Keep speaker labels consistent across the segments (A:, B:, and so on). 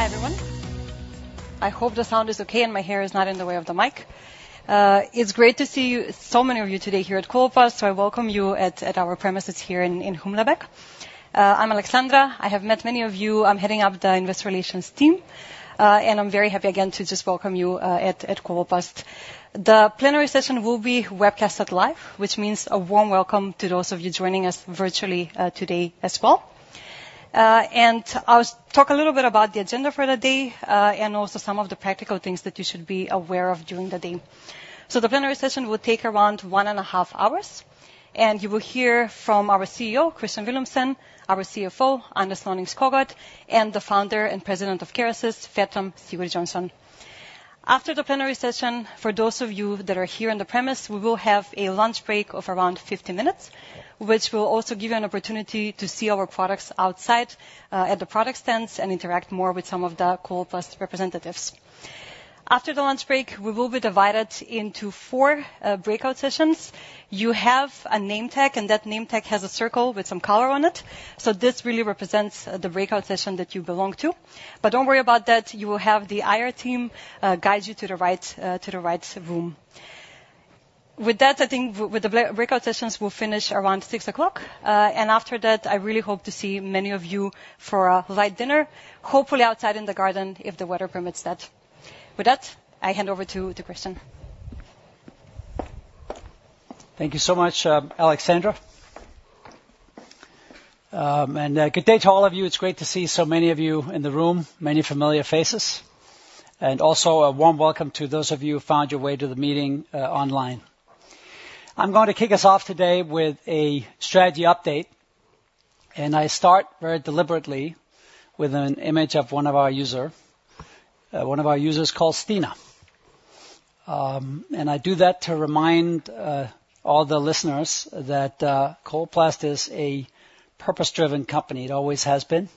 A: Hi, everyone. I hope the sound is okay, and my hair is not in the way of the mic. It's great to see you, so many of you today here at Coloplast, so I welcome you at our premises here in Humlebæk. I'm Alexandra. I have met many of you. I'm heading up the Investor Relations team, and I'm very happy again to just welcome you at Coloplast. The plenary session will be webcasted live, which means a warm welcome to those of you joining us virtually today as well. I'll talk a little bit about the agenda for the day, and also some of the practical things that you should be aware of during the day. So the plenary session will take around one and a half hours, and you will hear from our CEO, Kristian Villumsen, our CFO, Anders Lønning-Skovgaard, and the founder and president of Kerecis, Fertram Sigurjonsson. After the plenary session, for those of you that are here on the premises, we will have a lunch break of around 50 minutes, which will also give you an opportunity to see our products outside at the product stands and interact more with some of the Coloplast representatives. After the lunch break, we will be divided into four breakout sessions. You have a name tag, and that name tag has a circle with some color on it, so this really represents the breakout session that you belong to. But don't worry about that. You will have the IR team guide you to the right room. With that, I think with the breakout sessions will finish around 6:00 P.M and after that, I really hope to see many of you for a light dinner, hopefully outside in the garden, if the weather permits that. With that, I hand over to Kristian.
B: Thank you so much, Alexandra. Good day to all of you. It's great to see so many of you in the room, many familiar faces, and also a warm welcome to those of you who found your way to the meeting online. I'm going to kick us off today with a strategy update, and I start very deliberately with an image of one of our users called Stina. I do that to remind all the listeners that Coloplast is a purpose-driven company. It always has been.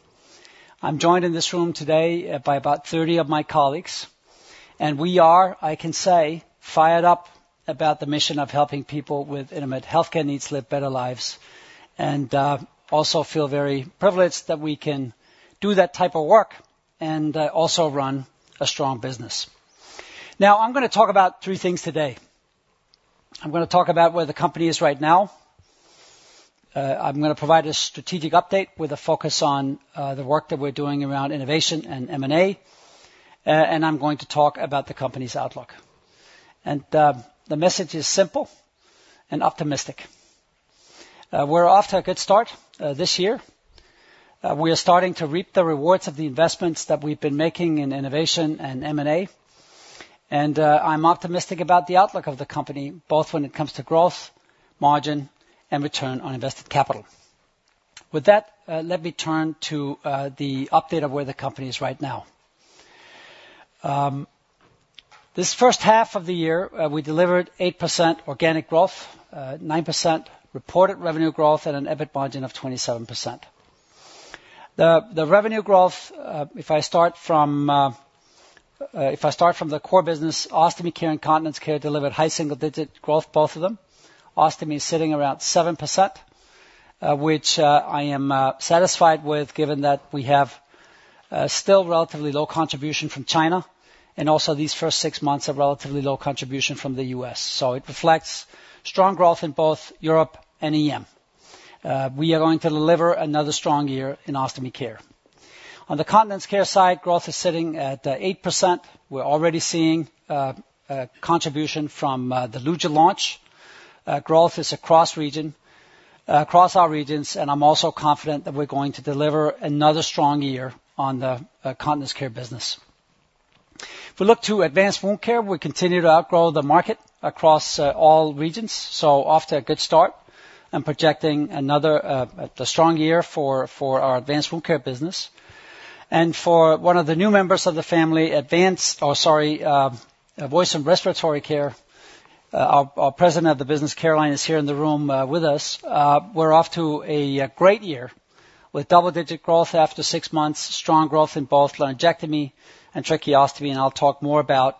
B: I'm joined in this room today by about 30 of my colleagues, and we are, I can say, fired up about the mission of helping people with intimate healthcare needs live better lives and also feel very privileged that we can do that type of work and also run a strong business. Now, I'm gonna talk about three things today. I'm gonna talk about where the company is right now. I'm gonna provide a strategic update with a focus on the work that we're doing around innovation and M&A, and I'm going to talk about the company's outlook. The message is simple and optimistic. We're off to a good start this year. We are starting to reap the rewards of the investments that we've been making in innovation and M&A, and I'm optimistic about the outlook of the company, both when it comes to growth, margin, and return on invested capital. With that, let me turn to the update of where the company is right now. This first half of the year, we delivered 8% organic growth, 9% reported revenue growth, and an EBIT margin of 27%. The revenue growth, if I start from the core business, Ostomy Care and Continence Care delivered high single digit growth, both of them. Ostomy is sitting around 7%, which I am satisfied with, given that we have still relatively low contribution from China and also these first six months of relatively low contribution from the U.S. So it reflects strong growth in both Europe and EM. We are going to deliver another strong year in Ostomy Care. On the Continence Care side, growth is sitting at 8%. We're already seeing a contribution from the Luja launch. Growth is across region, across our regions, and I'm also confident that we're going to deliver another strong year on the Continence Care business. If we look to Advanced Wound Care, we continue to outgrow the market across all regions, so off to a good start and projecting another strong year for our Advanced Wound Care business. For one of the new members of the family, Voice and Respiratory Care, our President of the business, Caroline, is here in the room with us. We're off to a great year with double-digit growth after six months, strong growth in both laryngectomy and tracheostomy, and I'll talk more about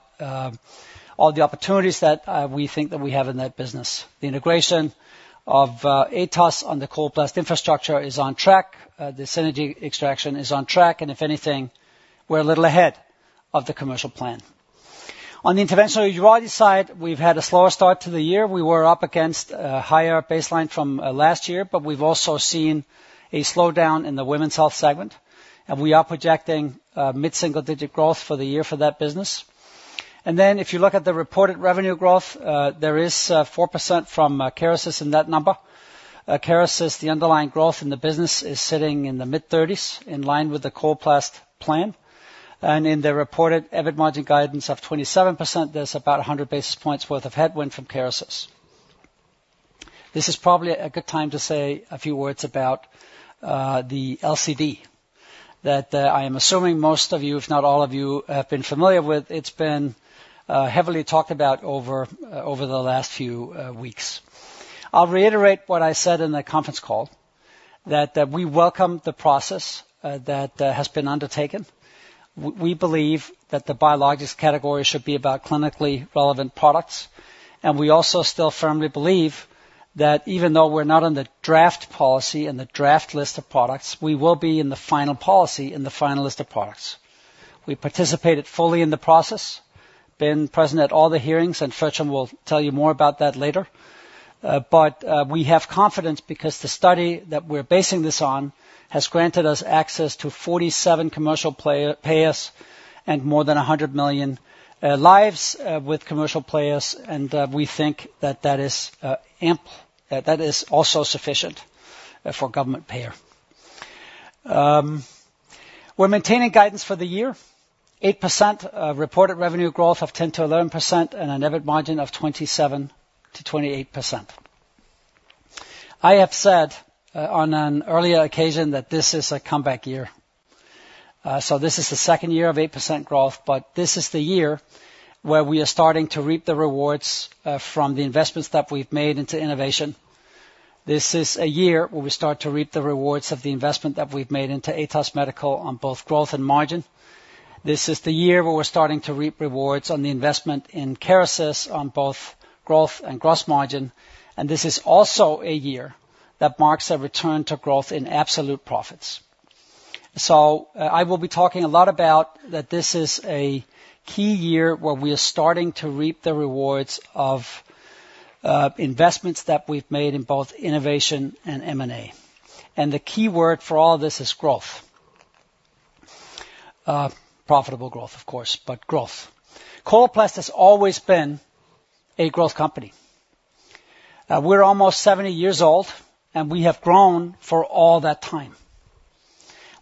B: all the opportunities that we think that we have in that business. The integration of Atos on the Coloplast infrastructure is on track. The synergy extraction is on track, and if anything, we're a little ahead of the commercial plan. On the Interventional Urology side, we've had a slower start to the year. We were up against a higher baseline from last year, but we've also seen a slowdown in the women's health segment, and we are projecting mid-single-digit growth for the year for that business. And then, if you look at the reported revenue growth, there is 4% from Kerecis in that number. Kerecis, the underlying growth in the business is sitting in the mid-30s, in line with the Coloplast plan. And in the reported EBIT margin guidance of 27%, there's about 100 basis points worth of headwind from Kerecis. This is probably a good time to say a few words about the LCD, that I am assuming most of you, if not all of you, have been familiar with. It's been heavily talked about over the last few weeks. I'll reiterate what I said in the conference call, that, we welcome the process, that, has been undertaken. We believe that the biologics category should be about clinically relevant products, and we also still firmly believe that even though we're not on the draft policy and the draft list of products, we will be in the final policy and the final list of products. We participated fully in the process, been present at all the hearings, and Fertram will tell you more about that later. But, we have confidence because the study that we're basing this on has granted us access to 47 commercial payers and more than 100 million lives with commercial players, and, we think that that is, that, that is also sufficient, for government payer. We're maintaining guidance for the year, 8%, reported revenue growth of 10%-11%, and an EBIT margin of 27%-28%. I have said on an earlier occasion that this is a comeback year. So this is the second year of 8% growth, but this is the year where we are starting to reap the rewards from the investments that we've made into innovation. This is a year where we start to reap the rewards of the investment that we've made into Atos Medical on both growth and margin. This is the year where we're starting to reap rewards on the investment in Kerecis on both growth and gross margin, and this is also a year that marks a return to growth in absolute profits. So, I will be talking a lot about that this is a key year where we are starting to reap the rewards of, investments that we've made in both innovation and M&A. And the key word for all of this is growth. Profitable growth, of course, but growth. Coloplast has always been a growth company. We're almost 70 years old, and we have grown for all that time.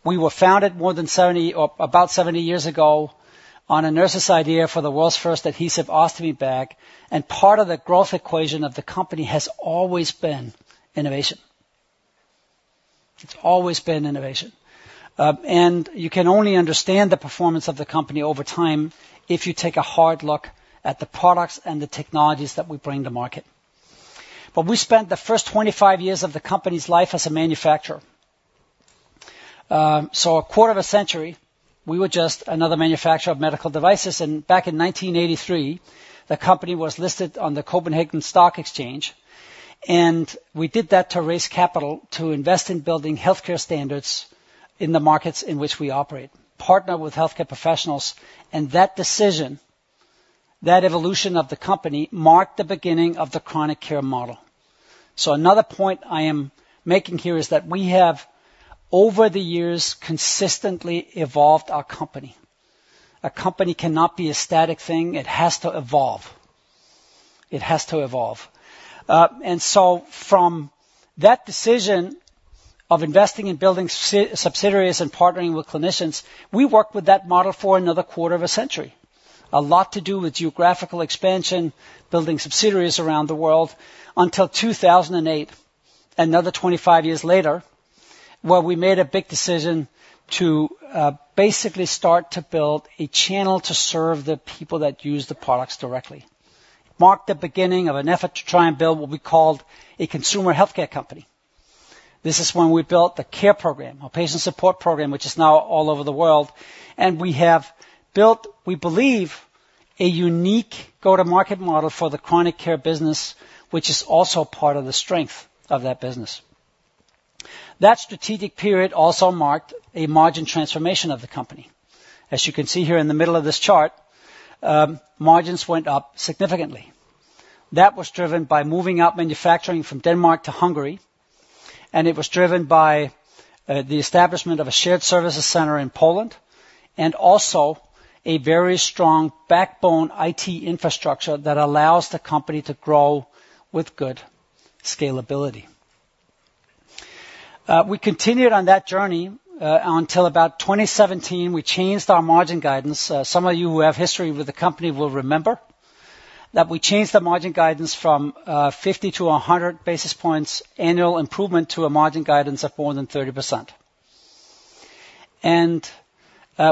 B: We were founded more than 70 or about 70 years ago on a nurse's idea for the world's first adhesive ostomy bag, and part of the growth equation of the company has always been innovation. It's always been innovation. And you can only understand the performance of the company over time if you take a hard look at the products and the technologies that we bring to market. But we spent the first 25 years of the company's life as a manufacturer. So a quarter of a century, we were just another manufacturer of medical devices, and back in 1983, the company was listed on the Copenhagen Stock Exchange, and we did that to raise capital to invest in building healthcare standards in the markets in which we operate, partner with healthcare professionals. And that decision, that evolution of the company, marked the beginning of the chronic care model. So another point I am making here is that we have, over the years, consistently evolved our company. A company cannot be a static thing, it has to evolve. It has to evolve. And so from that decision of investing in building sub- subsidiaries and partnering with clinicians, we worked with that model for another quarter of a century. A lot to do with geographical expansion, building subsidiaries around the world until 2008, another 25 years later, where we made a big decision to basically start to build a channel to serve the people that use the products directly. Marked the beginning of an effort to try and build what we called a consumer healthcare company. This is when we built the Care program, our patient support program, which is now all over the world, and we have built, we believe, a unique go-to-market model for the chronic care business, which is also part of the strength of that business. That strategic period also marked a margin transformation of the company. As you can see here in the middle of this chart, margins went up significantly. That was driven by moving out manufacturing from Denmark to Hungary, and it was driven by the establishment of a shared services center in Poland, and also a very strong backbone IT infrastructure that allows the company to grow with good scalability. We continued on that journey until about 2017, we changed our margin guidance. Some of you who have history with the company will remember that we changed the margin guidance from 50-100 basis points annual improvement to a margin guidance of more than 30%.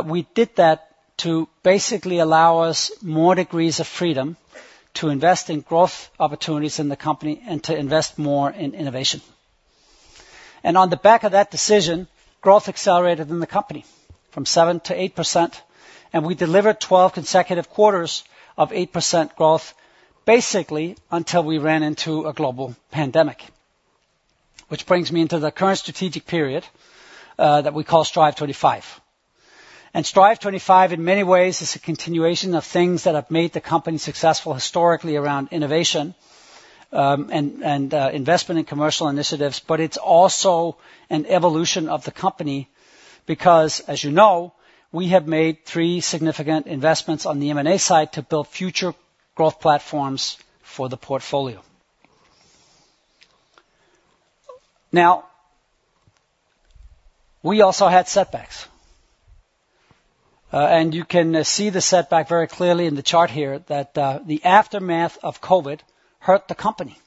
B: We did that to basically allow us more degrees of freedom to invest in growth opportunities in the company and to invest more in innovation. And on the back of that decision, growth accelerated in the company from 7%-8%, and we delivered 12 consecutive quarters of 8% growth, basically until we ran into a global pandemic. Which brings me into the current strategic period that we call Strive25. And Strive25, in many ways, is a continuation of things that have made the company successful historically around innovation and investment in commercial initiatives, but it's also an evolution of the company, because, as you know, we have made three significant investments on the M&A side to build future growth platforms for the portfolio. Now, we also had setbacks, and you can see the setback very clearly in the chart here, that the aftermath of COVID hurt the company.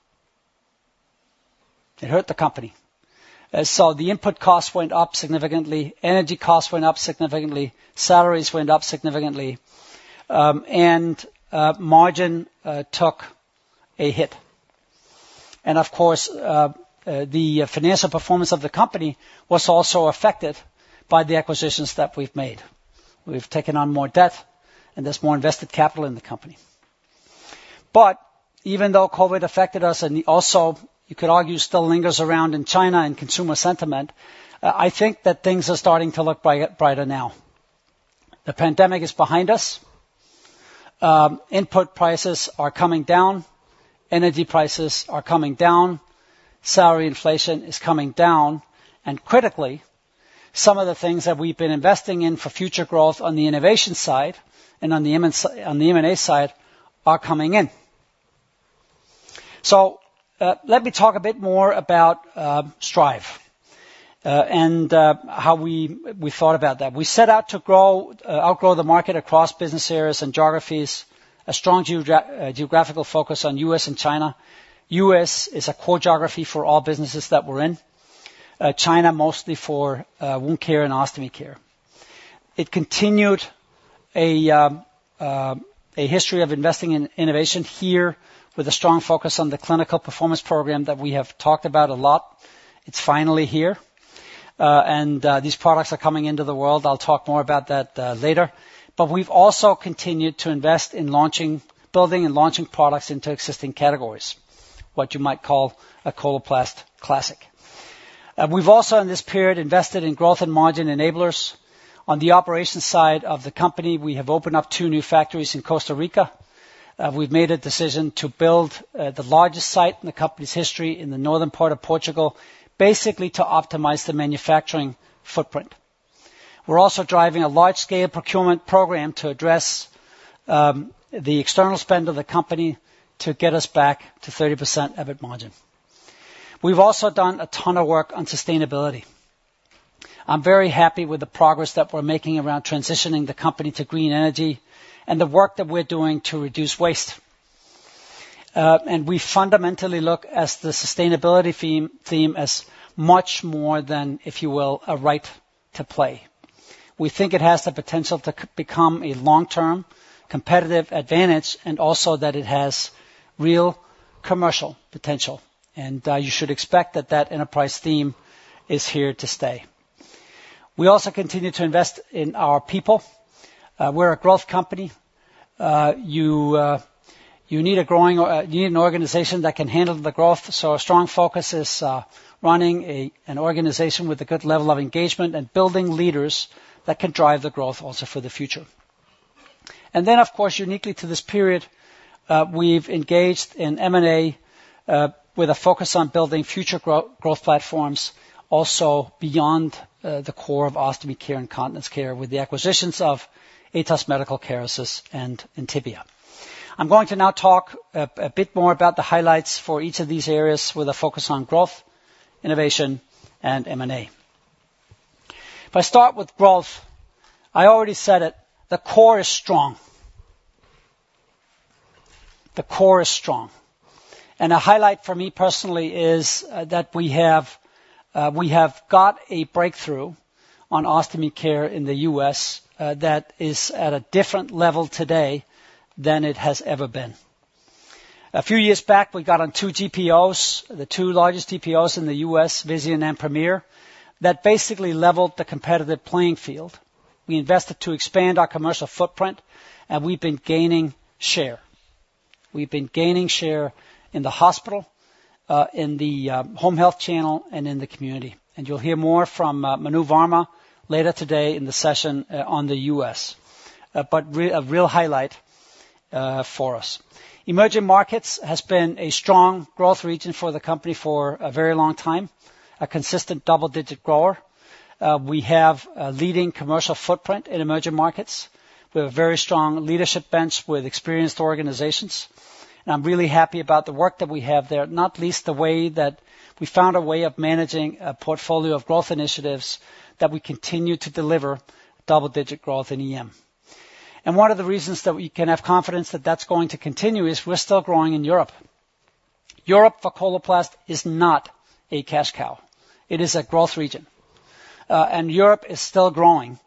B: It hurt the company. So the input costs went up significantly, energy costs went up significantly, salaries went up significantly, and margin took a hit. And of course, the financial performance of the company was also affected by the acquisitions that we've made.... We've taken on more debt, and there's more invested capital in the company. But even though COVID affected us, and also, you could argue, still lingers around in China and consumer sentiment, I think that things are starting to look brighter now. The pandemic is behind us, input prices are coming down, energy prices are coming down, salary inflation is coming down, and critically, some of the things that we've been investing in for future growth on the innovation side and on the M&A side, are coming in. So, let me talk a bit more about Strive, and how we thought about that. We set out to grow outgrow the market across business areas and geographies, a strong geographical focus on U.S. and China. U.S. is a core geography for all businesses that we're in, China, mostly for wound care and Ostomy Care. It continued a history of investing in innovation here with a strong focus on the clinical performance program that we have talked about a lot. It's finally here, and these products are coming into the world. I'll talk more about that later. But we've also continued to invest in launching, building and launching products into existing categories, what you might call a Coloplast classic. We've also, in this period, invested in growth and margin enablers. On the operations side of the company, we have opened up two new factories in Costa Rica. We've made a decision to build the largest site in the company's history in the northern part of Portugal, basically to optimize the manufacturing footprint. We're also driving a large-scale procurement program to address the external spend of the company to get us back to 30% EBIT margin. We've also done a ton of work on sustainability. I'm very happy with the progress that we're making around transitioning the company to green energy and the work that we're doing to reduce waste. And we fundamentally look as the sustainability theme, theme as much more than, if you will, a right to play. We think it has the potential to become a long-term competitive advantage and also that it has real commercial potential, and you should expect that that enterprise theme is here to stay. We also continue to invest in our people. We're a growth company. You need a growing organization that can handle the growth, so a strong focus is running an organization with a good level of engagement and building leaders that can drive the growth also for the future. And then, of course, uniquely to this period, we've engaged in M&A with a focus on building future growth platforms, also beyond the core of Ostomy Care and Continence Care, with the acquisitions of Atos Medical, Kerecis, and the Tibial. I'm going to now talk a bit more about the highlights for each of these areas, with a focus on growth, innovation, and M&A. If I start with growth, I already said it, the core is strong. The core is strong. A highlight for me personally is that we have, we have got a breakthrough on Ostomy Care in the U.S., that is at a different level today than it has ever been. A few years back, we got on two GPOs, the two largest GPOs in the U.S., Vizient and Premier, that basically leveled the competitive playing field. We invested to expand our commercial footprint, and we've been gaining share. We've been gaining share in the hospital, in the home health channel, and in the community. You'll hear more from Manu Varma later today in the session on the U.S., but real, a real highlight for us. Emerging markets has been a strong growth region for the company for a very long time, a consistent double-digit grower. We have a leading commercial footprint in emerging markets. We have a very strong leadership bench with experienced organizations, and I'm really happy about the work that we have there, not least the way that we found a way of managing a portfolio of growth initiatives that we continue to deliver double-digit growth in EM. One of the reasons that we can have confidence that that's going to continue is we're still growing in Europe. Europe, for Coloplast, is not a cash cow. It is a growth region. Europe is still growing,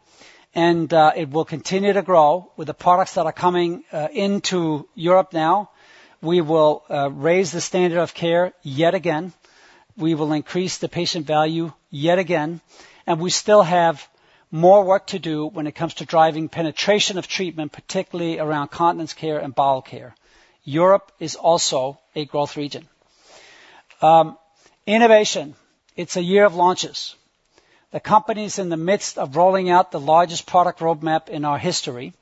B: and it will continue to grow with the products that are coming into Europe now. We will raise the standard of care yet again. We will increase the patient value yet again, and we still have more work to do when it comes to driving penetration of treatment, particularly around Continence Care and bowel care. Europe is also a growth region. Innovation, it's a year of launches. The company's in the midst of rolling out the largest product roadmap in our history,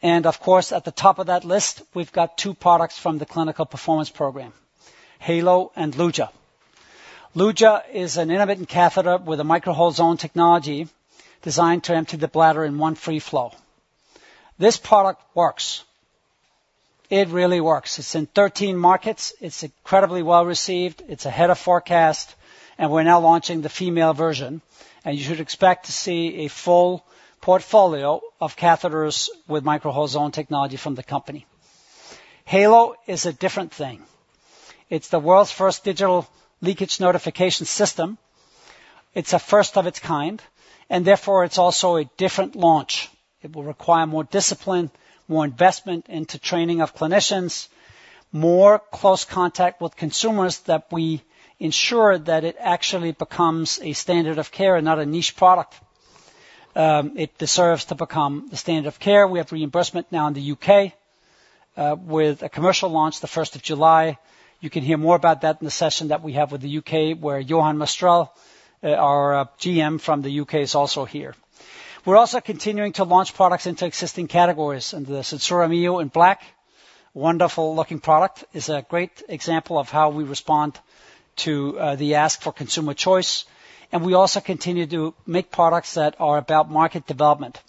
B: and of course, at the top of that list, we've got two products from the clinical performance program, Heylo and Luja. Luja is an innovative catheter with Micro-hole Zone Technology designed to empty the bladder in one free flow. This product works. It really works. It's in 13 markets. It's incredibly well-received, it's ahead of forecast, and we're now launching the female version, and you should expect to see a full portfolio of catheters with Micro-hole Zone Technology from the company. Heylo is a different thing. It's the world's first digital leakage notification system. It's a first of its kind, and therefore, it's also a different launch. It will require more discipline, more investment into training of clinicians.... more close contact with consumers, that we ensure that it actually becomes a standard of care and not a niche product. It deserves to become the standard of care. We have reimbursement now in the U.K., with a commercial launch the first of July. You can hear more about that in the session that we have with the U.K., where Johan Mastrell, our GM from the U.K., is also here. We're also continuing to launch products into existing categories, and the SenSura Mio in black, wonderful looking product, is a great example of how we respond to the ask for consumer choice. We also continue to make products that are about market development.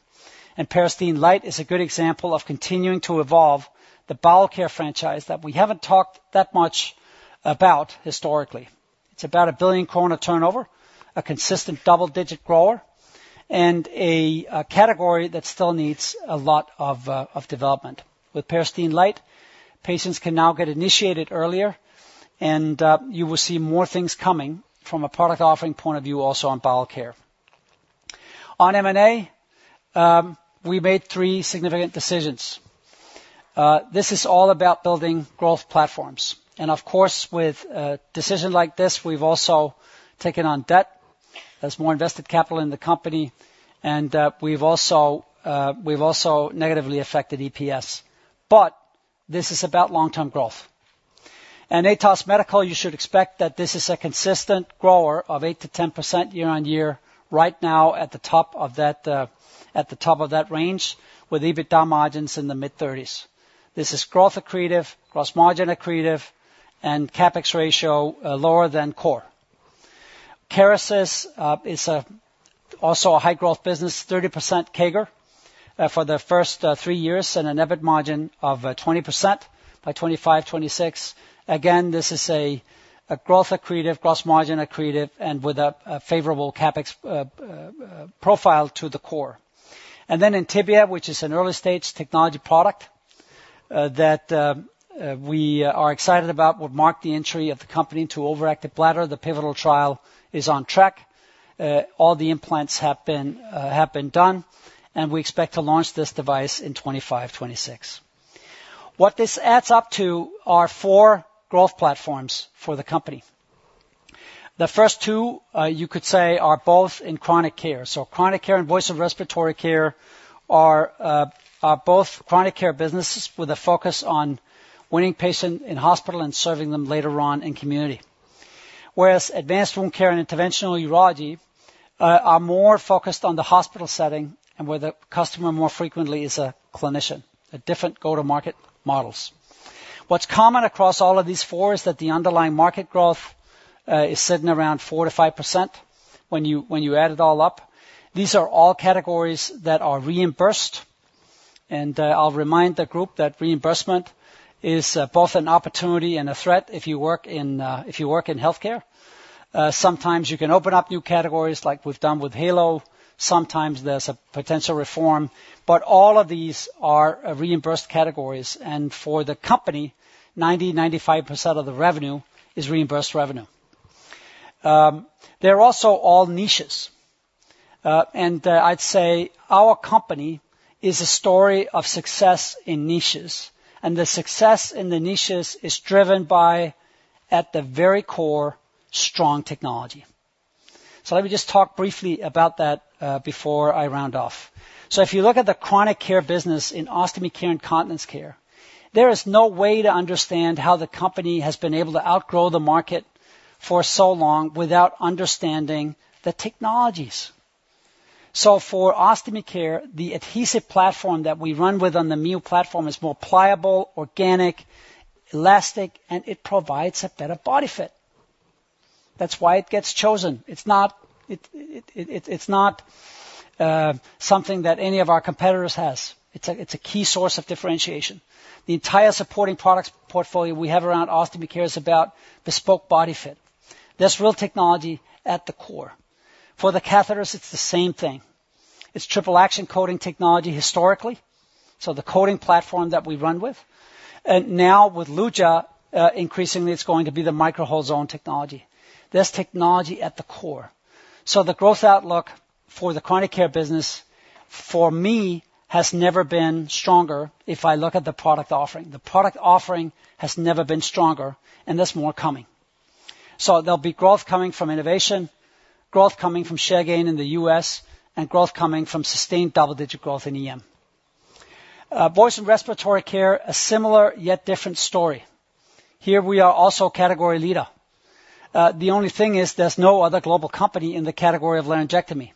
B: Peristeen Light is a good example of continuing to evolve the bowel care franchise that we haven't talked that much about historically. It's about 1 billion kroner turnover, a consistent double-digit grower, and a category that still needs a lot of development. With Peristeen Light, patients can now get initiated earlier, and you will see more things coming from a product offering point of view, also on bowel care. On M&A, we made three significant decisions. This is all about building growth platforms, and of course, with a decision like this, we've also taken on debt. There's more invested capital in the company, and we've also, we've also negatively affected EPS. But this is about long-term growth. Atos Medical, you should expect that this is a consistent grower of 8%-10% year-on-year, right now at the top of that, at the top of that range, with EBITDA margins in the mid-30s. This is growth accretive, cross-margin accretive, and CapEx ratio lower than core. Kerecis is also a high-growth business, 30% CAGR for the first three years and an EBIT margin of 20% by 2025, 2026. Again, this is a growth accretive, gross margin accretive, and with a favorable CapEx profile to the core. Then the Tibial, which is an early-stage technology product that we are excited about, will mark the entry of the company into overactive bladder. The pivotal trial is on track, all the implants have been, have been done, and we expect to launch this device in 2025-2026. What this adds up to are four growth platforms for the company. The first two, you could say, are both in chronic care. So chronic care and voice and respiratory care are both chronic care businesses with a focus on winning patient in hospital and serving them later on in community. Whereas Advanced Wound Care and Interventional Urology are more focused on the hospital setting and where the customer more frequently is a clinician, a different go-to-market models. What's common across all of these four is that the underlying market growth is sitting around 4%-5% when you, when you add it all up. These are all categories that are reimbursed, and I'll remind the group that reimbursement is both an opportunity and a threat if you work in, if you work in healthcare. Sometimes you can open up new categories, like we've done with Heylo. Sometimes there's a potential reform, but all of these are reimbursed categories, and for the company, 95% of the revenue is reimbursed revenue. They're also all niches. I'd say our company is a story of success in niches, and the success in the niches is driven by, at the very core, strong technology. So let me just talk briefly about that before I round off. So if you look at the chronic care business in Ostomy Care and Continence Care, there is no way to understand how the company has been able to outgrow the market for so long without understanding the technologies. So for Ostomy Care, the adhesive platform that we run with on the Mio platform is more pliable, organic, elastic, and it provides a better body fit. That's why it gets chosen. It's not something that any of our competitors has. It's a key source of differentiation. The entire supporting products portfolio we have around Ostomy Care is about bespoke body fit. There's real technology at the core. For the catheters, it's the same thing. It's triple-action coating technology historically, so the coating platform that we run with, and now with Luja, increasingly, it's going to be the Micro-hole Zone Technology. There's technology at the core. So the growth outlook for the chronic care business, for me, has never been stronger if I look at the product offering. The product offering has never been stronger, and there's more coming. So there'll be growth coming from innovation, growth coming from share gain in the U.S., and growth coming from sustained double-digit growth in EM. Voice and respiratory care, a similar yet different story. Here we are also category leader. The only thing is there's no other global company in the category of laryngectomy.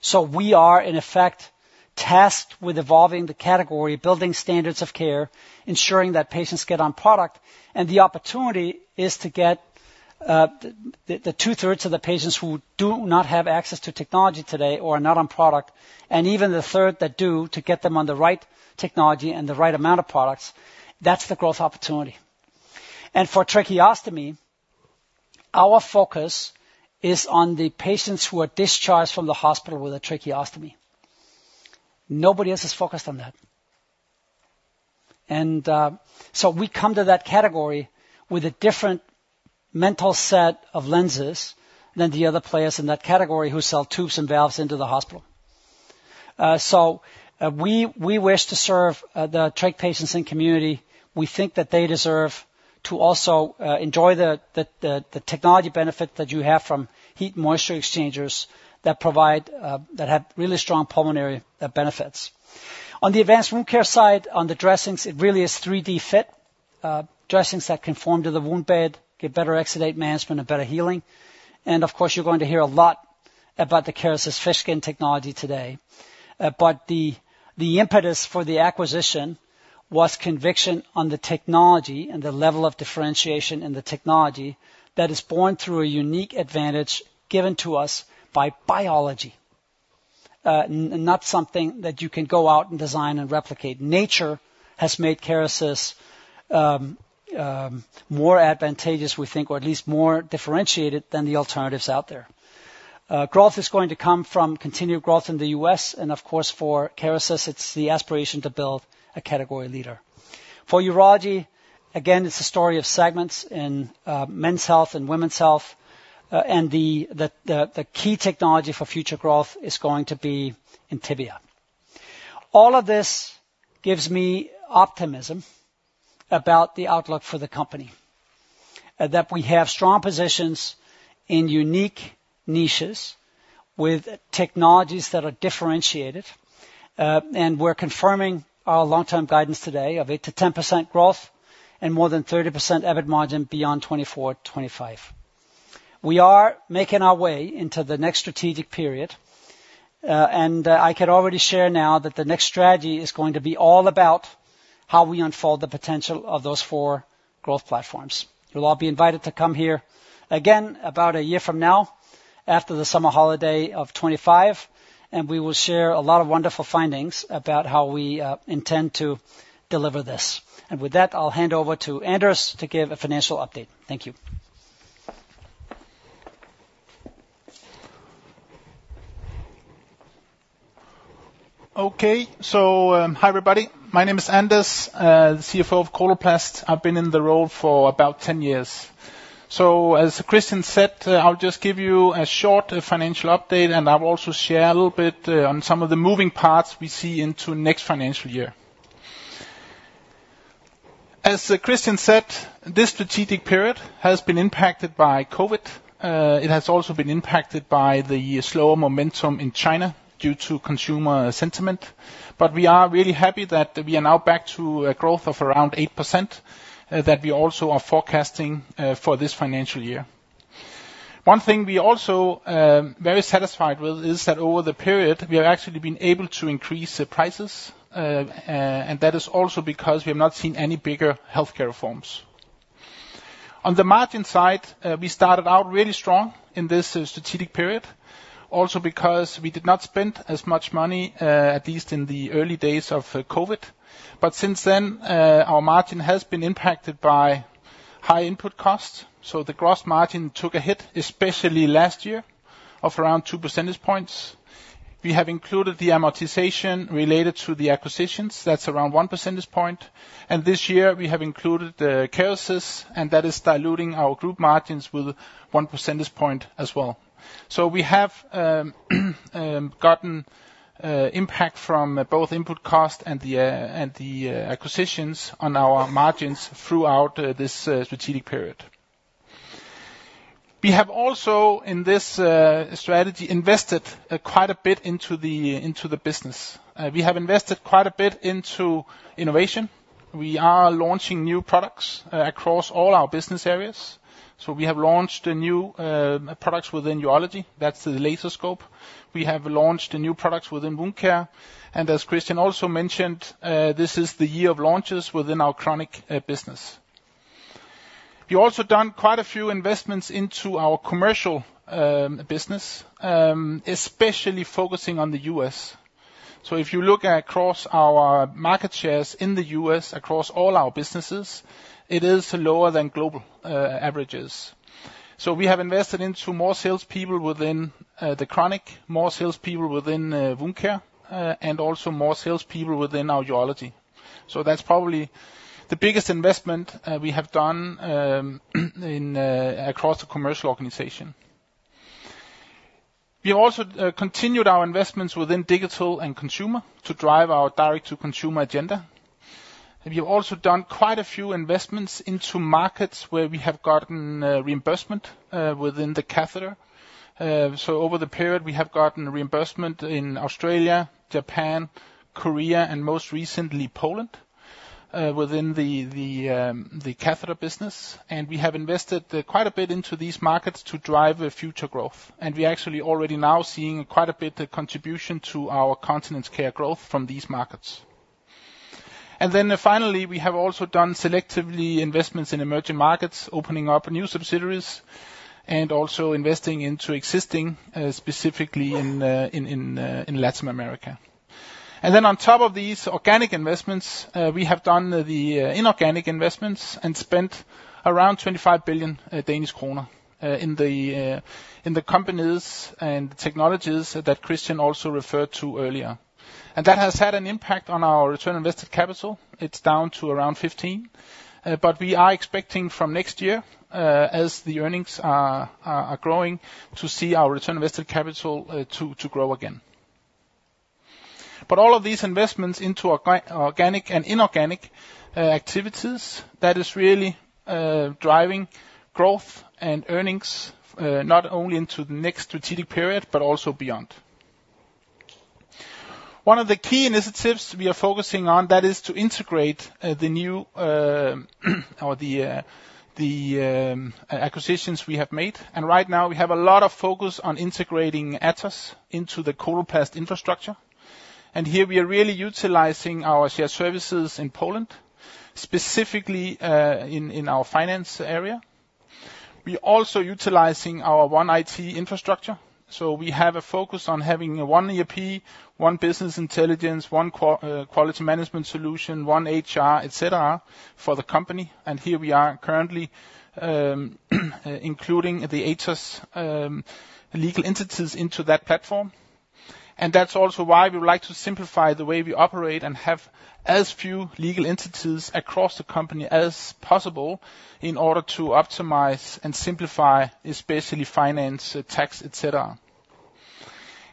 B: So we are, in effect, tasked with evolving the category, building standards of care, ensuring that patients get on product. The opportunity is to get the two-thirds of the patients who do not have access to technology today or are not on product, and even the third that do, to get them on the right technology and the right amount of products. That's the growth opportunity. For tracheostomy, our focus is on the patients who are discharged from the hospital with a tracheostomy. Nobody else is focused on that. So we come to that category with a different mental set of lenses than the other players in that category who sell tubes and valves into the hospital. So we wish to serve the trach patients and community. We think that they deserve to also enjoy the technology benefit that you have from heat and moisture exchangers that provide, that have really strong pulmonary benefits. On the Advanced Wound Care side, on the dressings, it really is 3DFit. Dressings that conform to the wound bed, get better exudate management and better healing. And of course, you're going to hear a lot about the Kerecis fish-skin technology today. But the impetus for the acquisition was conviction on the technology and the level of differentiation in the technology, that is born through a unique advantage given to us by biology. And not something that you can go out and design and replicate. Nature has made Kerecis more advantageous, we think, or at least more differentiated than the alternatives out there. Growth is going to come from continued growth in the U.S., and of course, for Kerecis, it's the aspiration to build a category leader. For Urology, again, it's a story of segments in men's health and women's health, and the key technology for future growth is going to be the Tibial. All of this gives me optimism about the outlook for the company. That we have strong positions in unique niches with technologies that are differentiated, and we're confirming our long-term guidance today of 8%-10% growth and more than 30% EBIT margin beyond 2024, 2025. We are making our way into the next strategic period, and I can already share now that the next strategy is going to be all about how we unfold the potential of those four growth platforms. You'll all be invited to come here again about a year from now, after the summer holiday of 2025, and we will share a lot of wonderful findings about how we intend to deliver this. And with that, I'll hand over to Anders to give a financial update. Thank you.
C: Okay. So, hi, everybody. My name is Anders, the CFO of Coloplast. I've been in the role for about 10 years. So as Kristian said, I'll just give you a short financial update, and I'll also share a little bit on some of the moving parts we see into next financial year. As Kristian said, this strategic period has been impacted by COVID. It has also been impacted by the slower momentum in China due to consumer sentiment. But we are really happy that we are now back to a growth of around 8%, that we also are forecasting for this financial year. One thing we also very satisfied with, is that over the period, we have actually been able to increase the prices, and that is also because we have not seen any bigger healthcare reforms. On the margin side, we started out really strong in this strategic period, also because we did not spend as much money, at least in the early days of COVID. But since then, our margin has been impacted by high input costs, so the gross margin took a hit, especially last year, of around two percentage points. We have included the amortization related to the acquisitions, that's around one percentage point. And this year, we have included the Kerecis, and that is diluting our group margins with one percentage point as well. So we have gotten impact from both input cost and the acquisitions on our margins throughout this strategic period. We have also, in this strategy, invested quite a bit into the business. We have invested quite a bit into innovation. We are launching new products across all our business areas. So we have launched new products within Urology, that's the laser scope. We have launched new products within Wound Care, and as Kristian also mentioned, this is the year of launches within our chronic business. We've also done quite a few investments into our commercial business, especially focusing on the U.S. So if you look across our market shares in the U.S., across all our businesses, it is lower than global averages. So we have invested into more salespeople within the chronic, more salespeople within Wound Care, and also more salespeople within our Urology. So that's probably the biggest investment we have done in across the commercial organization. We also continued our investments within digital and consumer to drive our direct-to-consumer agenda. We've also done quite a few investments into markets where we have gotten reimbursement within the catheter. So over the period, we have gotten reimbursement in Australia, Japan, Korea, and most recently, Poland, within the catheter business. And we have invested quite a bit into these markets to drive future growth. And we actually already now seeing quite a bit contribution to our Continence Care growth from these markets. And then finally, we have also done selectively investments in emerging markets, opening up new subsidiaries, and also investing into existing, specifically in Latin America. And then on top of these organic investments, we have done the inorganic investments and spent around 25 billion Danish kroner in the companies and technologies that Kristian also referred to earlier. And that has had an impact on our return on invested capital. It's down to around 15 billion, but we are expecting from next year, as the earnings are growing, to see our return on invested capital to grow again. But all of these investments into organic and inorganic activities, that is really driving growth and earnings, not only into the next strategic period, but also beyond. One of the key initiatives we are focusing on, that is to integrate the acquisitions we have made, and right now we have a lot of focus on integrating Atos into the Coloplast infrastructure. And here we are really utilizing our shared services in Poland, specifically, in our finance area. We're also utilizing our One IT infrastructure, so we have a focus on having one ERP, one business intelligence, one quality management solution, one HR, et cetera, for the company, and here we are currently including the Atos legal entities into that platform. And that's also why we would like to simplify the way we operate and have as few legal entities across the company as possible in order to optimize and simplify, especially finance, tax, et cetera.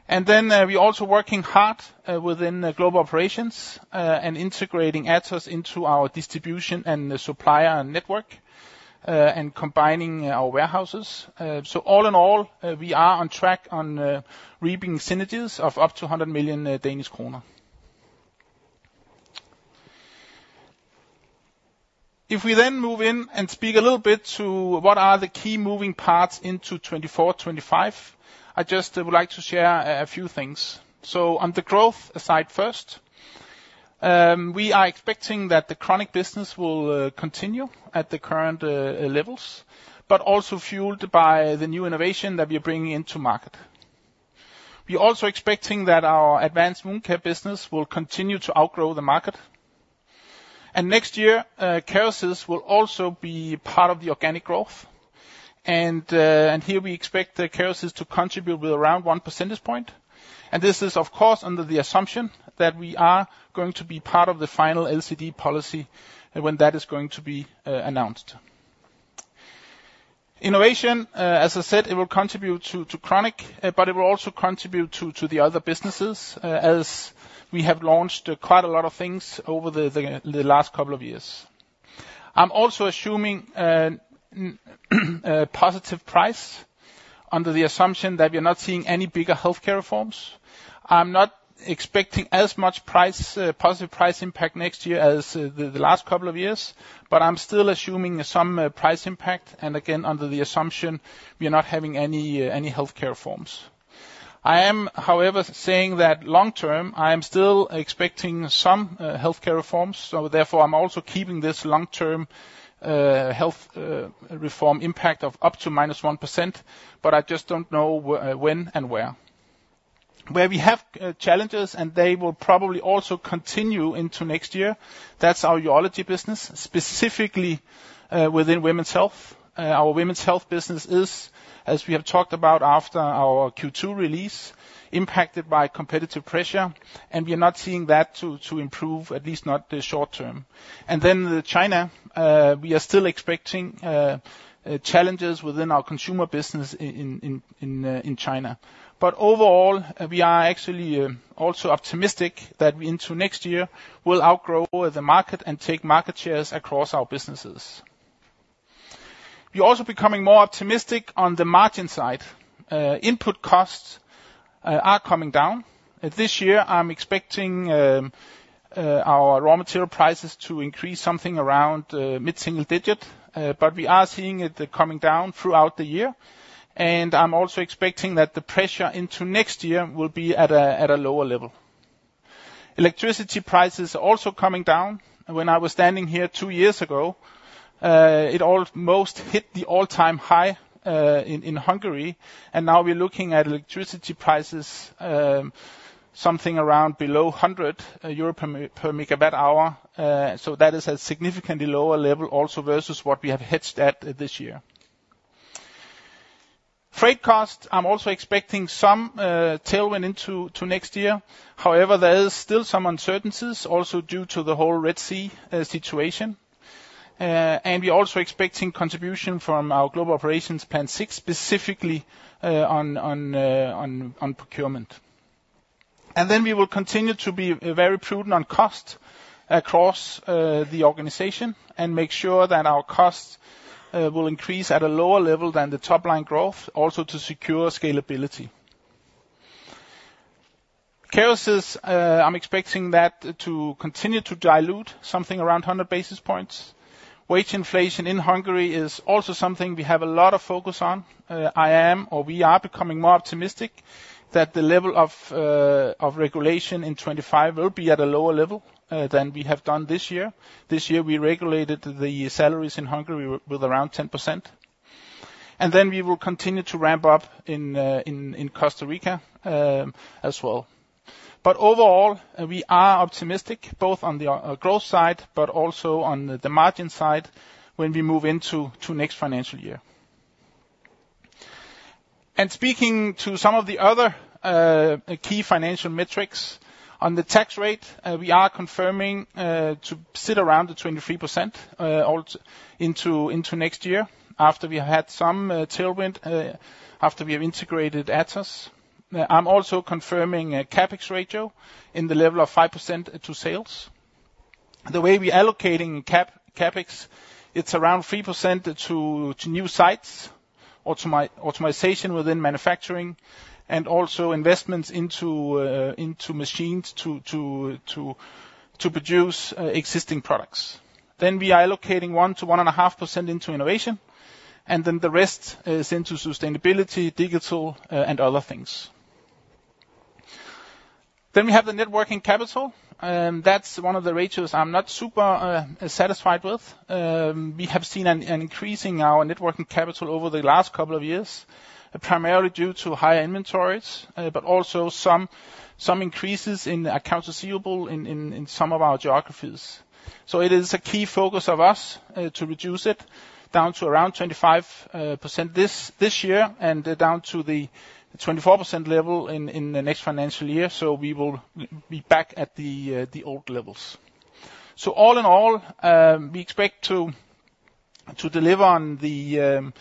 C: And then we're also working hard within the global operations and integrating Atos into our distribution and the supplier network and combining our warehouses. So all in all, we are on track on reaping synergies of up to 100 million Danish kroner. If we then move in and speak a little bit to what are the key moving parts into 2024, 2025, I just would like to share a few things. So on the growth side first, we are expecting that the chronic business will continue at the current levels, but also fueled by the new innovation that we're bringing into market. We're also expecting that our Advanced Wound Care business will continue to outgrow the market. And next year, Kerecis will also be part of the organic growth, and here we expect the Kerecis to contribute with around one percentage point, and this is, of course, under the assumption that we are going to be part of the final LCD policy, and when that is going to be announced. Innovation, as I said, it will contribute to chronic, but it will also contribute to the other businesses, as we have launched quite a lot of things over the last couple of years. I'm also assuming a positive price under the assumption that we are not seeing any bigger healthcare reforms. I'm not expecting as much price positive price impact next year as the last couple of years, but I'm still assuming some price impact, and again, under the assumption we are not having any healthcare reforms. I am, however, saying that long term, I am still expecting some healthcare reforms, so therefore, I'm also keeping this long-term health reform impact of up to -1%, but I just don't know when and where. Where we have challenges, and they will probably also continue into next year, that's our Urology business, specifically within women's health. Our women's health business is, as we have talked about after our Q2 release, impacted by competitive pressure, and we are not seeing that to improve, at least not the short term. And then China, we are still expecting challenges within our consumer business in China. But overall, we are actually also optimistic that we into next year will outgrow the market and take market shares across our businesses. We're also becoming more optimistic on the margin side. Input costs are coming down. This year I'm expecting our raw material prices to increase something around mid-single digit, but we are seeing it coming down throughout the year, and I'm also expecting that the pressure into next year will be at a lower level. Electricity prices are also coming down. When I was standing here two years ago, it almost hit the all-time high in Hungary, and now we're looking at electricity prices something around below 100 euro per MW hour, so that is a significantly lower level also versus what we have hedged at this year. Freight costs, I'm also expecting some tailwind into next year. However, there is still some uncertainties also due to the whole Red Sea situation. We're also expecting contribution from our Global Operations Plan 6, specifically, on procurement. Then we will continue to be very prudent on cost across the organization and make sure that our costs will increase at a lower level than the top-line growth, also to secure scalability. Kerecis, I'm expecting that to continue to dilute something around 100 basis points. Wage inflation in Hungary is also something we have a lot of focus on. I am, or we are becoming more optimistic, that the level of inflation in 2025 will be at a lower level than we have done this year. This year, we regulated the salaries in Hungary with around 10%, and then we will continue to ramp up in Costa Rica as well. But overall, we are optimistic, both on the growth side, but also on the margin side when we move into the next financial year. Speaking to some of the other key financial metrics on the tax rate, we are confirming to sit around the 23%, also into next year, after we had some tailwind after we have integrated Atos. I'm also confirming a CapEx ratio in the level of 5% to sales. The way we are allocating CapEx, it's around 3% to new sites, automation within manufacturing, and also investments into machines to produce existing products. Then we are allocating 1%-1.5% into innovation, and then the rest is into sustainability, digital, and other things. Then we have the net working capital, that's one of the ratios I'm not super satisfied with. We have seen an increase in our net working capital over the last couple of years, primarily due to higher inventories, but also some increases in accounts receivable in some of our geographies. So it is a key focus of us to reduce it down to around 25% this year, and down to the 24% level in the next financial year, so we will be back at the old levels. So all in all, we expect to deliver on the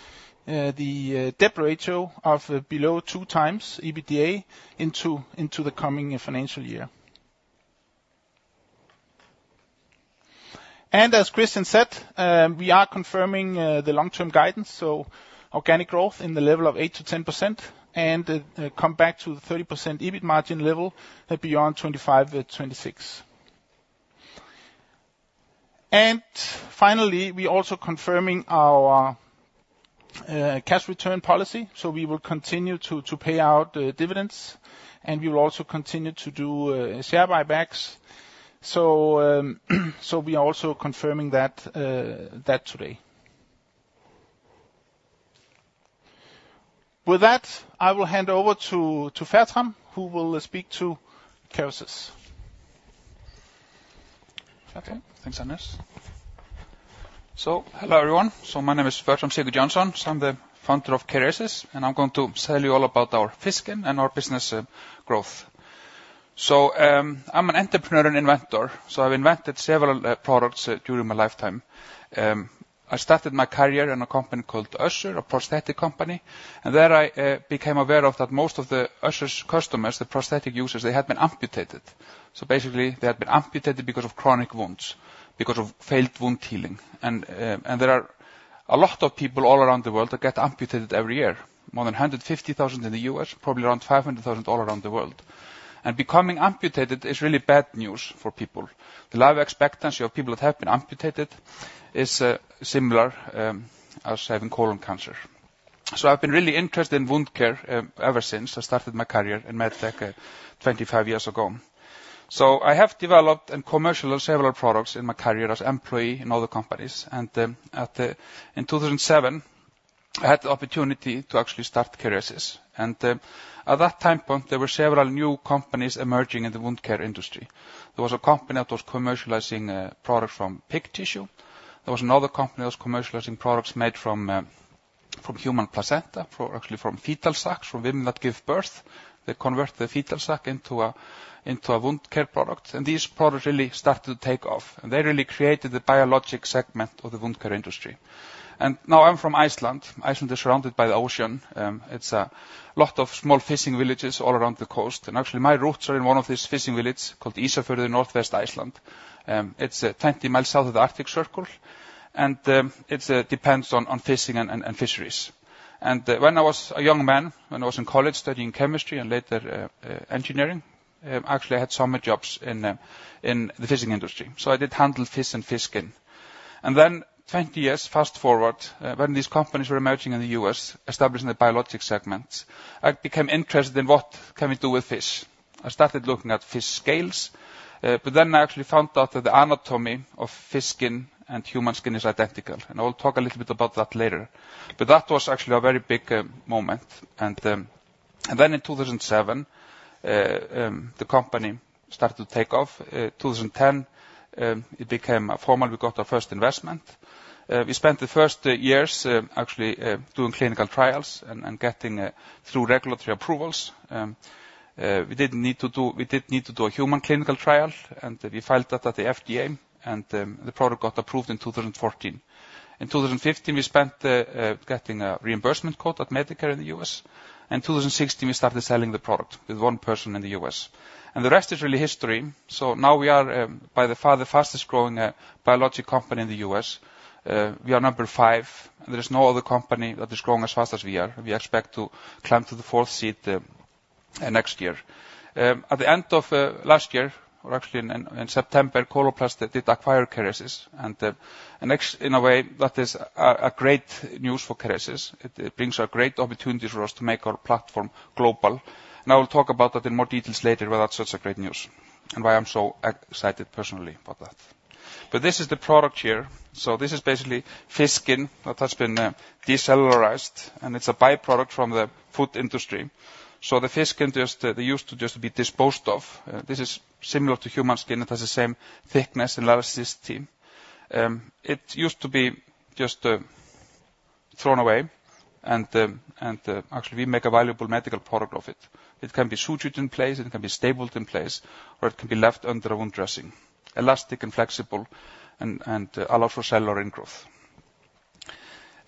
C: debt ratio of below 2x EBITDA into the coming financial year. As Kristian said, we are confirming the long-term guidance, so organic growth in the level of 8%-10%, and come back to the 30% EBIT margin level beyond 2025-2026. Finally, we also confirming our cash return policy, so we will continue to pay out dividends, and we will also continue to do share buybacks. So, so we are also confirming that, that today. With that, I will hand over to Fertram, who will speak to Kerecis.
D: Okay. Thanks, Anders. So hello, everyone. So my name is Fertram Sigurjonsson. I'm the founder of Kerecis, and I'm going to tell you all about our fish skin and our business growth. So, I'm an entrepreneur and inventor, so I've invented several products during my lifetime. I started my career in a company called Össur, a prosthetic company, and there I became aware of that most of the Össur's customers, the prosthetic users, they had been amputated. So basically, they had been amputated because of chronic wounds, because of failed wound healing. And there are a lot of people all around the world that get amputated every year, more than 150,000 in the US, probably around 500,000 all around the world. And becoming amputated is really bad news for people. The life expectancy of people that have been amputated is similar as having colon cancer. So I've been really interested in wound care ever since I started my career in med tech 25 years ago. So I have developed and commercialized several products in my career as employee in other companies, and in 2007, I had the opportunity to actually start Kerecis. And at that time point, there were several new companies emerging in the wound care industry. There was a company that was commercializing products from pig tissue. There was another company that was commercializing products made from human placenta, or actually from fetal sacs, from women that give birth. They convert the fetal sac into a wound care product, and these products really started to take off, and they really created the biologic segment of the wound care industry. Now I'm from Iceland. Iceland is surrounded by the ocean. It's a lot of small fishing villages all around the coast, and actually, my roots are in one of these fishing villages called Ísafjörður in northwest Iceland. It's 20 mi south of the Arctic Circle, and it depends on fishing and fisheries. When I was a young man, when I was in college studying chemistry and later engineering, actually, I had summer jobs in the fishing industry, so I did handle fish and fish skin. Then 20 years fast-forward, when these companies were emerging in the U.S., establishing the biologic segment, I became interested in what can we do with fish? I started looking at fish scales, but then I actually found out that the anatomy of fish skin and human skin is identical, and I will talk a little bit about that later. But that was actually a very big moment, and... And then in 2007, the company started to take off. 2010, it became a formal. We got our first investment. We spent the first years actually doing clinical trials and getting through regulatory approvals. We did need to do a human clinical trial, and we filed that at the FDA, and the product got approved in 2014. In 2015, we spent getting a reimbursement code at Medicare in the U.S., and 2016, we started selling the product with one person in the U.S. The rest is really history. So now we are, by far, the fastest-growing biologics company in the U.S. We are number five. There is no other company that is growing as fast as we are. We expect to climb to the fourth seat next year. At the end of last year, or actually in September, Coloplast did acquire Kerecis, and next, in a way, that is a great news for Kerecis. It brings a great opportunity for us to make our platform global, and I will talk about that in more details later, why that's such a great news and why I'm so excited personally about that. But this is the product here. So this is basically fish skin that has been decellularized, and it's a by-product from the food industry. So the fish skin just, they used to just be disposed of. This is similar to human skin. It has the same thickness and elasticity. It used to be just thrown away, and actually we make a valuable medical product of it. It can be sutured in place, it can be stapled in place, or it can be left under our own dressing. Elastic and flexible and allows for cellular growth.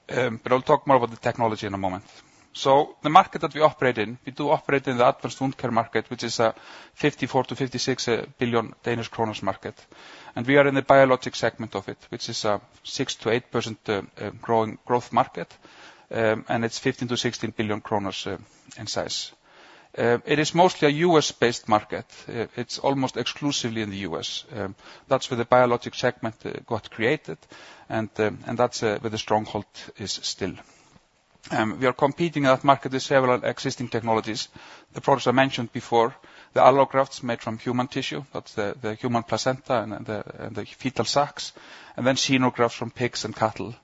D: But I'll talk more about the technology in a moment. So the market that we operate in, we do operate in the Advanced Wound Care market, which is a 54 billion-56 billion Danish kroner market. And we are in the biologic segment of it, which is a 6%-8% growth market, and it's 15 billion-16 billion kroner in size. It is mostly a U.S.-based market. It's almost exclusively in the U.S. That's where the biologic segment got created, and that's where the stronghold is still. We are competing in that market with several existing technologies. The products I mentioned before, the allografts made from human tissue, that's the human placenta and the fetal sacs, and then xenografts from pigs and cattle.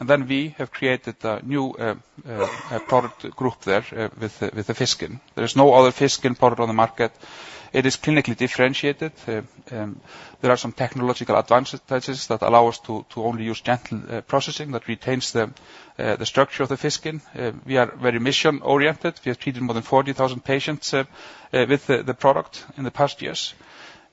D: And then we have created a new, a product group there, with the fish skin. There is no other fish skin product on the market. It is clinically differentiated. There are some technological advantages that allow us to only use gentle processing that retains the structure of the fish skin. We are very mission-oriented. We have treated more than 40,000 patients, with the product in the past years.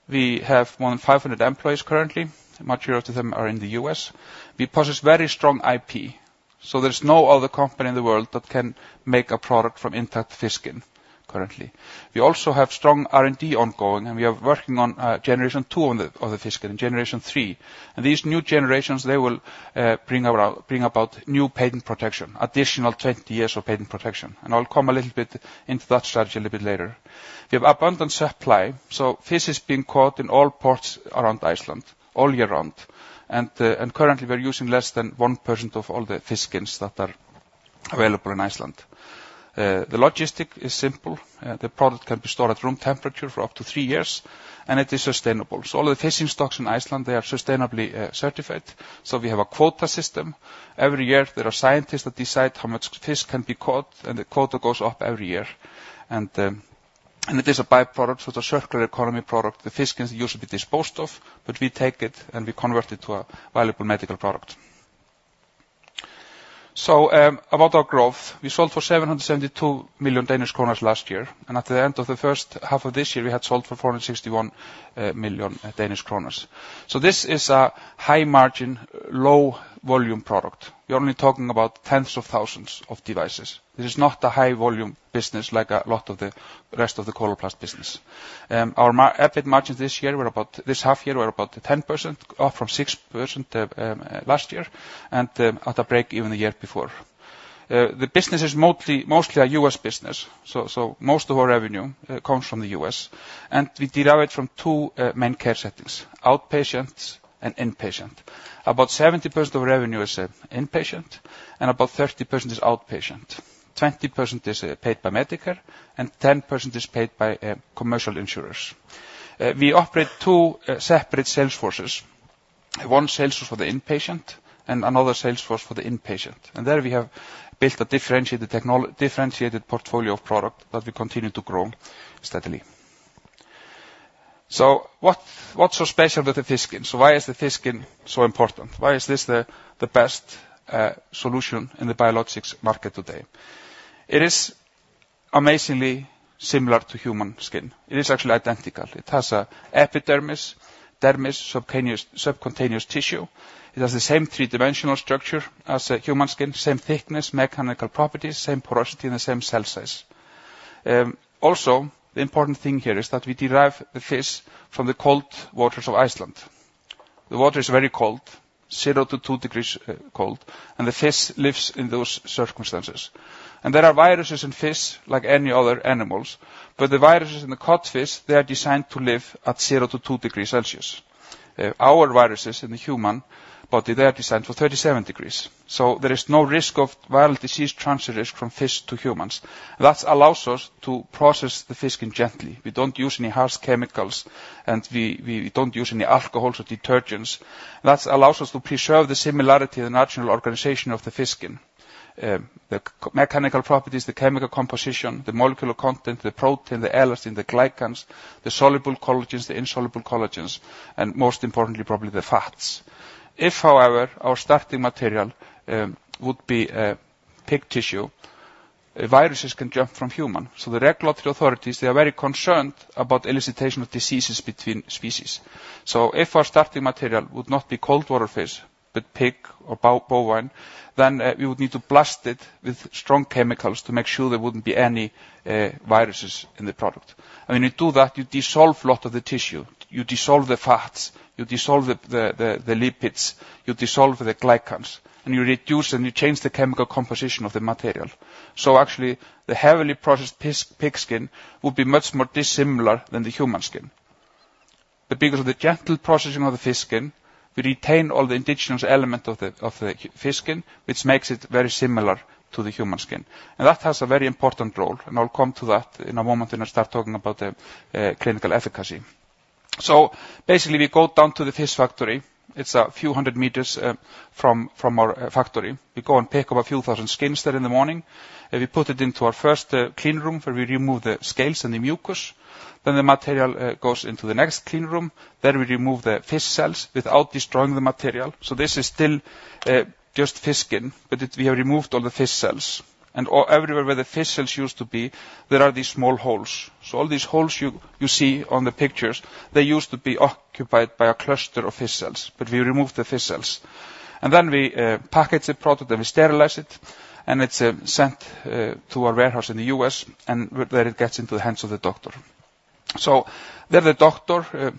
D: We have more than 500 employees currently. Much of them are in the U.S. We possess very strong IP, so there is no other company in the world that can make a product from intact fish skin currently. We also have strong R&D ongoing, and we are working on generation two of the fish skin, and generation three. These new generations, they will bring about new patent protection, additional 20 years of patent protection. I'll come a little bit into that strategy a little bit later. We have abundant supply, so fish is being caught in all ports around Iceland all year round. And currently, we're using less than 1% of all the fish skins that are available in Iceland. The logistics is simple. The product can be stored at room temperature for up to three years, and it is sustainable. So all the fishing stocks in Iceland, they are sustainably certified, so we have a quota system. Every year, there are scientists that decide how much fish can be caught, and the quota goes up every year. And it is a by-product, so it's a circular economy product. The fish skin is usually disposed of, but we take it and we convert it to a valuable medical product. So, about our growth, we sold for 772 million Danish kroner last year, and at the end of the first half of this year, we had sold for 461 million Danish kroner. So this is a high margin, low volume product. We're only talking about tens of thousands of devices. This is not a high volume business like a lot of the rest of the Coloplast business. Our margins this year were about, this half year, were about 10%, up from 6%, last year, and, at a break even the year before. The business is mostly, mostly a U.S. business, so most of our revenue comes from the U.S., and we derive it from two main care settings, outpatients and inpatient. About 70% of revenue is inpatient, and about 30% is outpatient. 20% is paid by Medicare, and 10% is paid by commercial insurers. We operate two separate sales forces. One sales force for the inpatient, and another sales force for the inpatient. And there, we have built a differentiated portfolio of product that we continue to grow steadily. So what, what's so special about the fish skin? So why is the fish skin so important? Why is this the best solution in the biologics market today? It is amazingly similar to human skin. It is actually identical. It has a epidermis, dermis, subcutaneous tissue. It has the same three-dimensional structure as a human skin, same thickness, mechanical properties, same porosity, and the same cell size. Also, the important thing here is that we derive the fish from the cold waters of Iceland. The water is very cold, 0-2 degrees Celsius, cold, and the fish lives in those circumstances. And there are viruses in fish like any other animals, but the viruses in the cod fish, they are designed to live at 0-2 degrees Celsius. Our viruses in the human body, they are designed for 37 degrees, Celsius so there is no risk of viral disease transfer risk from fish to humans. That allows us to process the fish skin gently. We don't use any harsh chemicals, and we, we don't use any alcohols or detergents. That allows us to preserve the similarity of the natural organization of the fish skin, the mechanical properties, the chemical composition, the molecular content, the protein, the elastin, the glycans, the soluble collagens, the insoluble collagens, and most importantly, probably the fats. If however, our starting material would be pig tissue, viruses can jump from human. So the regulatory authorities, they are very concerned about elicitation of diseases between species. So if our starting material would not be cold water fish, but pig or bovine, then we would need to blast it with strong chemicals to make sure there wouldn't be any viruses in the product. When you do that, you dissolve a lot of the tissue, you dissolve the fats, you dissolve the lipids, you dissolve the glycans, and you reduce, and you change the chemical composition of the material. So actually, the heavily processed pig skin would be much more dissimilar than the human skin. But because of the gentle processing of the fish skin, we retain all the indigenous element of the fish skin, which makes it very similar to the human skin. And that has a very important role, and I'll come to that in a moment when I start talking about the clinical efficacy. So basically, we go down to the fish factory. It's a few hundred meters from our factory. We go and pick up a few thousand skins there in the morning, and we put it into our first clean room, where we remove the scales and the mucus. Then the material goes into the next clean room. Then we remove the fish cells without destroying the material. So this is still just fish skin, but we have removed all the fish cells... And or everywhere where the fish cells used to be, there are these small holes. So all these holes you see on the pictures, they used to be occupied by a cluster of fish cells, but we removed the fish cells. And then we package the product, then we sterilize it, and it's sent to our warehouse in the U.S., and there it gets into the hands of the doctor. So then the doctor,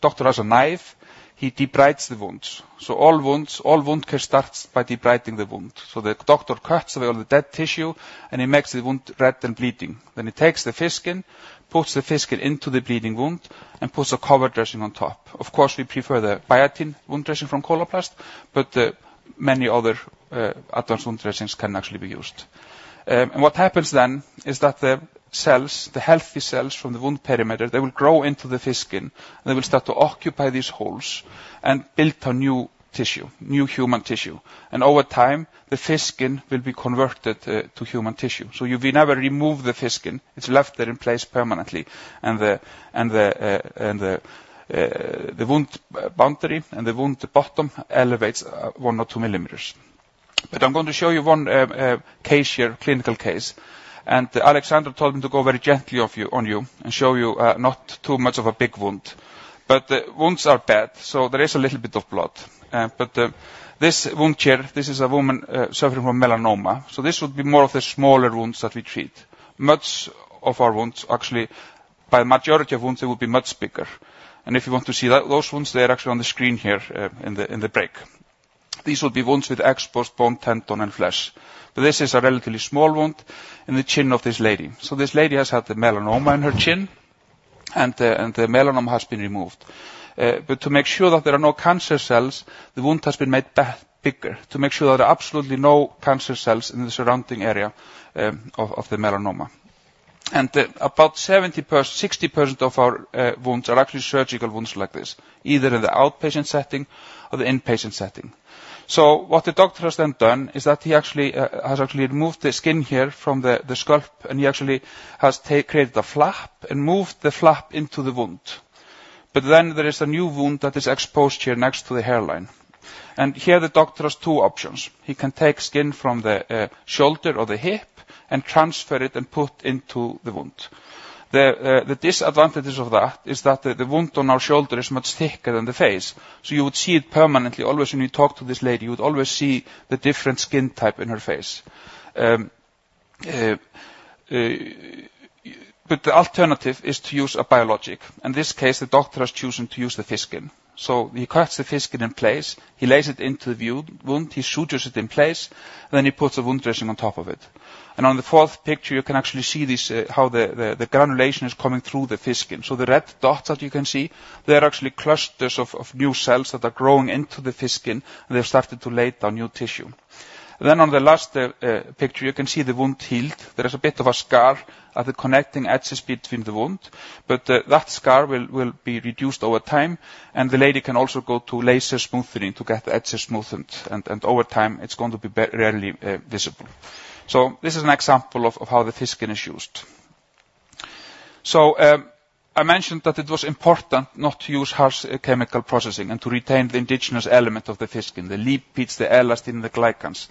D: doctor has a knife, he debrides the wounds. All wounds, all wound care starts by debriding the wound. The doctor cuts away all the dead tissue, and he makes the wound red and bleeding. He takes the fish skin, puts the fish skin into the bleeding wound, and puts a cover dressing on top. Of course, we prefer the Biatain wound dressing from Coloplast, but many other advanced wound dressings can actually be used. What happens then is that the cells, the healthy cells from the wound perimeter, they will grow into the fish skin, and they will start to occupy these holes and build a new tissue, new human tissue. Over time, the fish skin will be converted to human tissue. So you will never remove the fish skin, it's left there in place permanently, and the wound boundary and the wound bottom elevates 1 or 2 millimeters. But I'm going to show you one case here, clinical case. And Aleksandra told me to go very gently on you, and show you not too much of a big wound. But the wounds are bad, so there is a little bit of blood. But this wound here, this is a woman suffering from melanoma. So this would be more of the smaller wounds that we treat. Much of our wounds, actually, by majority of wounds, they will be much bigger. And if you want to see those wounds, they're actually on the screen here, in the break. These would be wounds with exposed bone, tendon, and flesh. But this is a relatively small wound in the chin of this lady. So this lady has had the melanoma in her chin, and the melanoma has been removed. But to make sure that there are no cancer cells, the wound has been made bigger to make sure there are absolutely no cancer cells in the surrounding area of the melanoma. And about 60% of our wounds are actually surgical wounds like this, either in the outpatient setting or the inpatient setting. So what the doctor has then done is that he actually has actually removed the skin here from the scalp, and he actually has created a flap and moved the flap into the wound. But then there is a new wound that is exposed here next to the hairline. And here, the doctor has two options: He can take skin from the shoulder or the hip and transfer it and put into the wound. The disadvantages of that is that the wound on our shoulder is much thicker than the face, so you would see it permanently. Always when you talk to this lady, you would always see the different skin type in her face. But the alternative is to use a biologic. In this case, the doctor has chosen to use the fish skin. So he cuts the fish skin in place, he lays it into the wound, he sutures it in place, then he puts a wound dressing on top of it. On the fourth picture, you can actually see this, how the granulation is coming through the fish skin. So the red dots that you can see, they're actually clusters of new cells that are growing into the fish skin, and they've started to lay down new tissue. Then on the last picture, you can see the wound healed. There is a bit of a scar at the connecting edges between the wound, but that scar will be reduced over time, and the lady can also go to laser smoothing to get the edges smoothened, and over time, it's going to be barely visible. So this is an example of how the fish skin is used. I mentioned that it was important not to use harsh, chemical processing and to retain the indigenous element of the fish skin, the lipids, the elastin, and the glycans.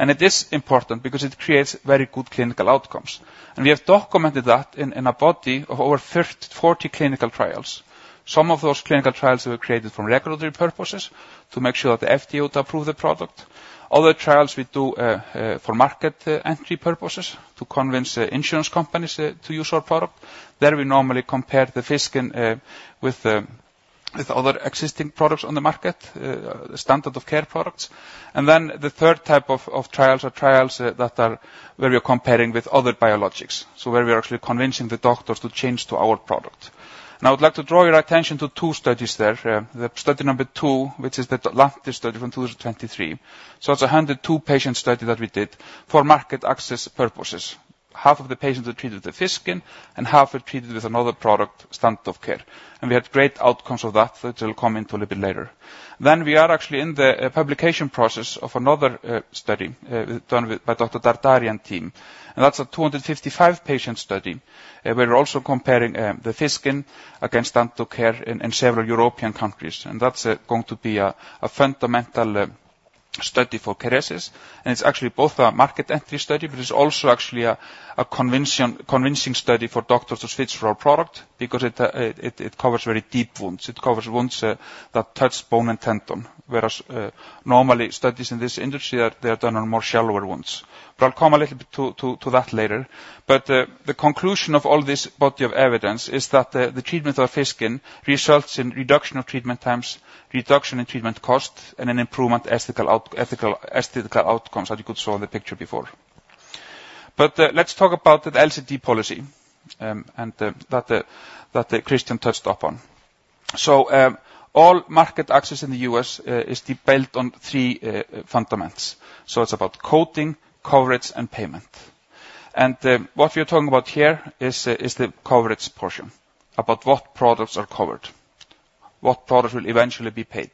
D: It is important because it creates very good clinical outcomes. We have documented that in a body of over 40 clinical trials. Some of those clinical trials were created for regulatory purposes to make sure that the FDA would approve the product. Other trials we do for market entry purposes, to convince insurance companies to use our product. There, we normally compare the fish skin with other existing products on the market, the standard of care products. Then the third type of trials are trials that are where we are comparing with other biologics, so where we are actually convincing the doctors to change to our product. Now, I'd like to draw your attention to two studies there. The study number two, which is the latest study from 2023. So it's a 102-patient study that we did for market access purposes. Half of the patients were treated with the fish skin, and half were treated with another product, standard of care. And we had great outcomes of that that I will come into a little bit later. Then we are actually in the publication process of another study done with, by Dr. Derderian team, and that's a 255-patient study. We're also comparing the fish skin against standard of care in several European countries, and that's going to be a fundamental study for Kerecis. And it's actually both a market entry study, but it's also actually a convincing study for doctors to switch to our product because it covers very deep wounds. It covers wounds that touch bone and tendon, whereas normally studies in this industry are done on more shallower wounds. But I'll come a little bit to that later. But the conclusion of all this body of evidence is that the treatment of fish skin results in reduction of treatment times, reduction in treatment cost, and an improvement in clinical and aesthetical outcomes, as you could see in the picture before. But, let's talk about the LCD policy, and that Kristian touched upon. So, all market access in the U.S. is built on three fundamentals. So it's about coding, coverage, and payment. And, what we are talking about here is the coverage portion, about what products are covered, what products will eventually be paid.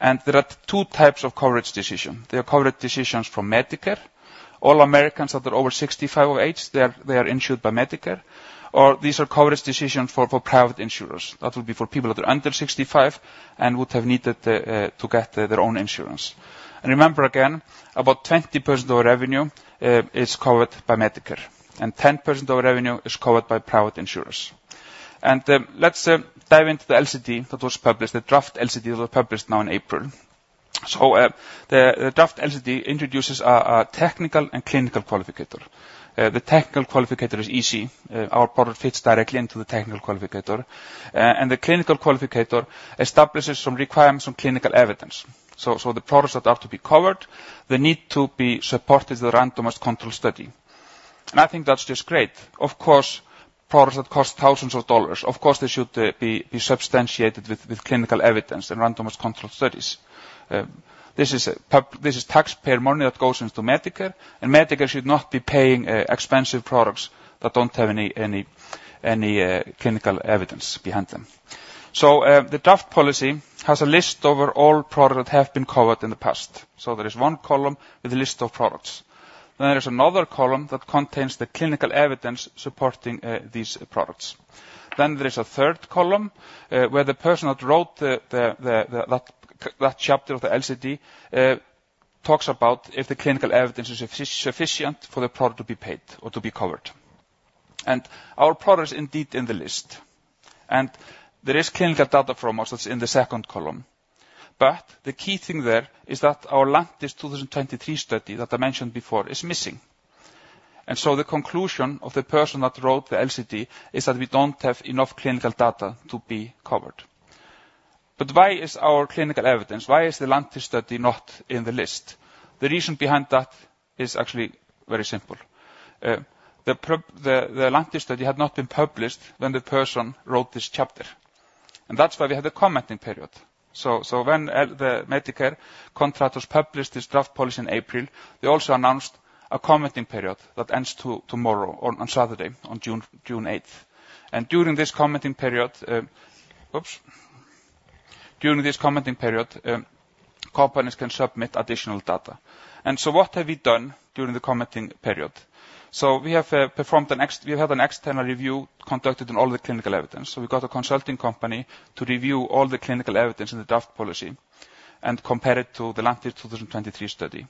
D: And there are two types of coverage decision. There are coverage decisions from Medicare. All Americans that are over 65 of age, they are insured by Medicare, or these are coverage decisions for private insurers. That will be for people that are under 65 and would have needed to get their own insurance. And remember, again, about 20% of our revenue is covered by Medicare, and 10% of our revenue is covered by private insurers... Let's dive into the LCD that was published, the draft LCD that was published now in April. So, the draft LCD introduces a technical and clinical qualifier. The technical qualifier is easy. Our product fits directly into the technical qualifier. And the clinical qualifier establishes some requirements on clinical evidence. So, the products that are to be covered, they need to be supported the randomized control study. And I think that's just great. Of course, products that cost thousands of dollars, of course, they should be substantiated with clinical evidence and randomized controlled studies. This is taxpayer money that goes into Medicare, and Medicare should not be paying expensive products that don't have any clinical evidence behind them. So, the draft policy has a list of all products that have been covered in the past. So there is one column with a list of products. Then there is another column that contains the clinical evidence supporting these products. Then there is a third column, where the person that wrote that chapter of the LCD talks about if the clinical evidence is sufficient for the product to be paid or to be covered. And our product is indeed in the list, and there is clinical data from us that's in the second column. But the key thing there is that our Lantis 2023 study that I mentioned before is missing. And so the conclusion of the person that wrote the LCD is that we don't have enough clinical data to be covered. But why is our clinical evidence, why is the Lantis study not in the list? The reason behind that is actually very simple. The Lantis study had not been published when the person wrote this chapter, and that's why we had a commenting period. So when the Medicare contractors published this draft policy in April, they also announced a commenting period that ends tomorrow, on Saturday, June 8th. And during this commenting period, companies can submit additional data. And so what have we done during the commenting period? So we have an external review conducted on all the clinical evidence. So we got a consulting company to review all the clinical evidence in the draft policy and compare it to the Lantis 2023 study.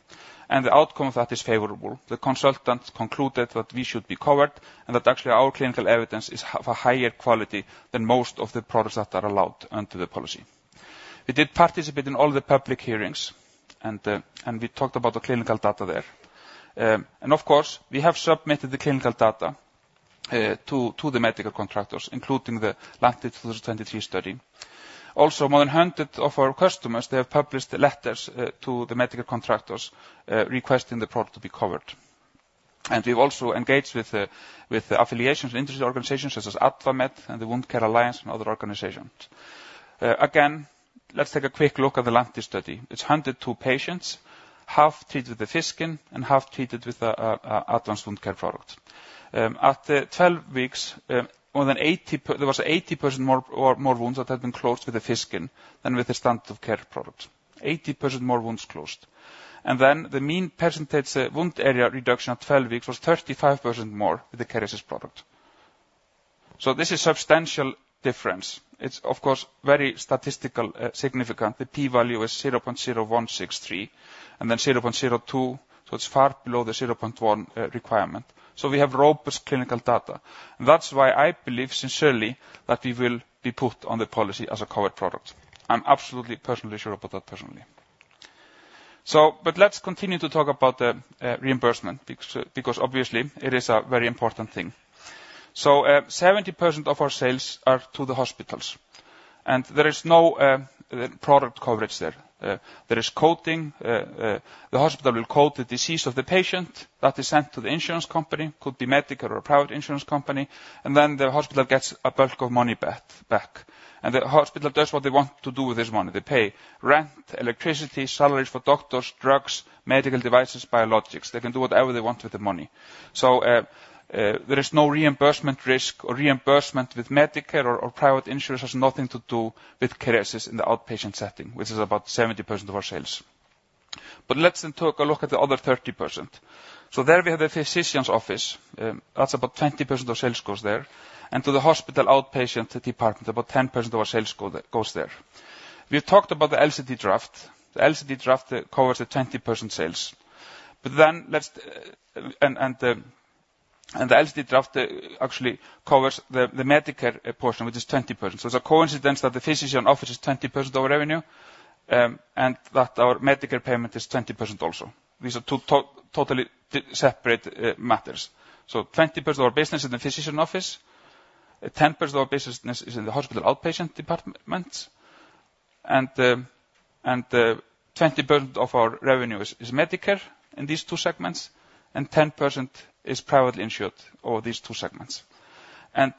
D: And the outcome of that is favorable. The consultant concluded that we should be covered, and that actually our clinical evidence is of a higher quality than most of the products that are allowed under the policy. We did participate in all the public hearings, and we talked about the clinical data there. And of course, we have submitted the clinical data to the medicare contractors, including the Lantis 2023 study. Also, more than 100 of our customers, they have published letters to the medicare contractors requesting the product to be covered. And we've also engaged with the affiliations and industry organizations such as AdvaMed and the Wound Care Alliance and other organizations. Again, let's take a quick look at the Lantis study. It's 102 patients, half treated with the fish skin and half treated with the Advanced Wound Care product. After 12 weeks, there was 80% more, or more wounds that had been closed with the fish skin than with the standard of care product. 80% more wounds closed. Then the mean percentage wound area reduction at 12 weeks was 35% more with the Kerecis product. So this is substantial difference. It's of course very statistically significant. The t value is 0.0163, and then 0.02, so it's far below the 0.1 requirement. So we have robust clinical data. That's why I believe sincerely that we will be put on the policy as a covered product. I'm absolutely personally sure about that personally. But let's continue to talk about the reimbursement, because obviously it is a very important thing. 70% of our sales are to the hospitals, and there is no product coverage there. There is coding, the hospital will code the disease of the patient that is sent to the insurance company, could be Medicare or a private insurance company, and then the hospital gets a bulk of money back. The hospital does what they want to do with this money. They pay rent, electricity, salaries for doctors, drugs, medical devices, biologics. They can do whatever they want with the money. So, there is no reimbursement risk or reimbursement with Medicare or private insurance has nothing to do with Kerecis in the outpatient setting, which is about 70% of our sales. But let's then take a look at the other 30%. So there we have a physician's office, that's about 20% of sales goes there, and to the hospital outpatient department, about 10% of our sales go there. We talked about the LCD draft. The LCD draft covers the 20% sales. But then the LCD draft actually covers the Medicare portion, which is 20%. So it's a coincidence that the physician office is 20% of our revenue, and that our Medicare payment is 20% also. These are two totally separate matters. Twenty percent of our business is in the physician office, 10% of our business is in the hospital outpatient departments, and 20% of our revenue is Medicare in these two segments, and 10% is privately insured over these two segments.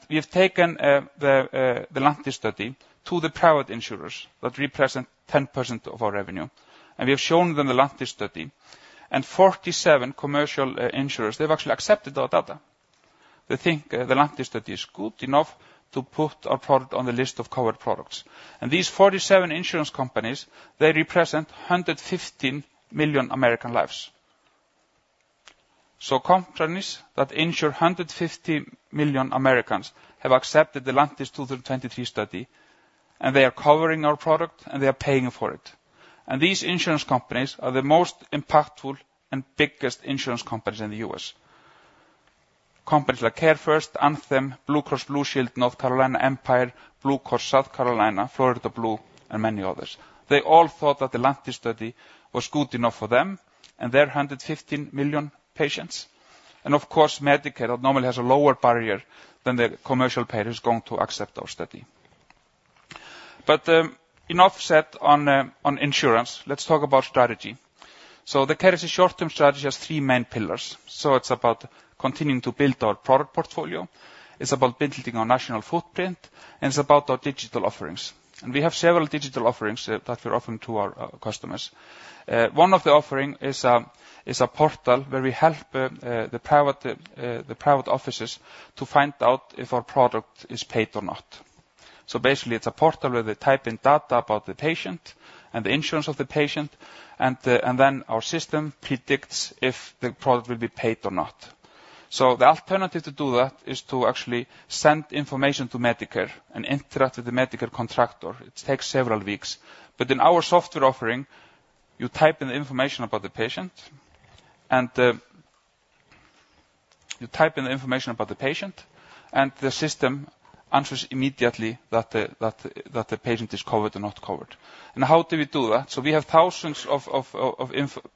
D: We have taken the Lantis study to the private insurers that represent 10% of our revenue, and we have shown them the Lantis study. 47 commercial insurers, they've actually accepted our data. They think the Lantis study is good enough to put our product on the list of covered products. These 47 insurance companies, they represent 115 million American lives. Companies that insure 150 million Americans have accepted the Lantis 2023 study, and they are covering our product, and they are paying for it. These insurance companies are the most impactful and biggest insurance companies in the U.S. Companies like CareFirst, Anthem, Blue Cross Blue Shield, North Carolina, Empire, Blue Cross South Carolina, Florida Blue, and many others. They all thought that the Lantis study was good enough for them and their 115 million patients. Of course, Medicare, that normally has a lower barrier than the commercial payer, is going to accept our study. But, enough said on on insurance, let's talk about strategy. The Kerecis short-term strategy has three main pillars. It's about continuing to build our product portfolio, it's about building our national footprint, and it's about our digital offerings. We have several digital offerings that we're offering to our, our customers. One of the offerings is a portal where we help the private offices to find out if our product is paid or not. So basically, it's a portal where they type in data about the patient and the insurance of the patient, and then our system predicts if the product will be paid or not. So the alternative to do that is to actually send information to Medicare and interact with the Medicare contractor. It takes several weeks, but in our software offering, you type in the information about the patient, and the system answers immediately that the patient is covered or not covered. And how do we do that? So we have thousands of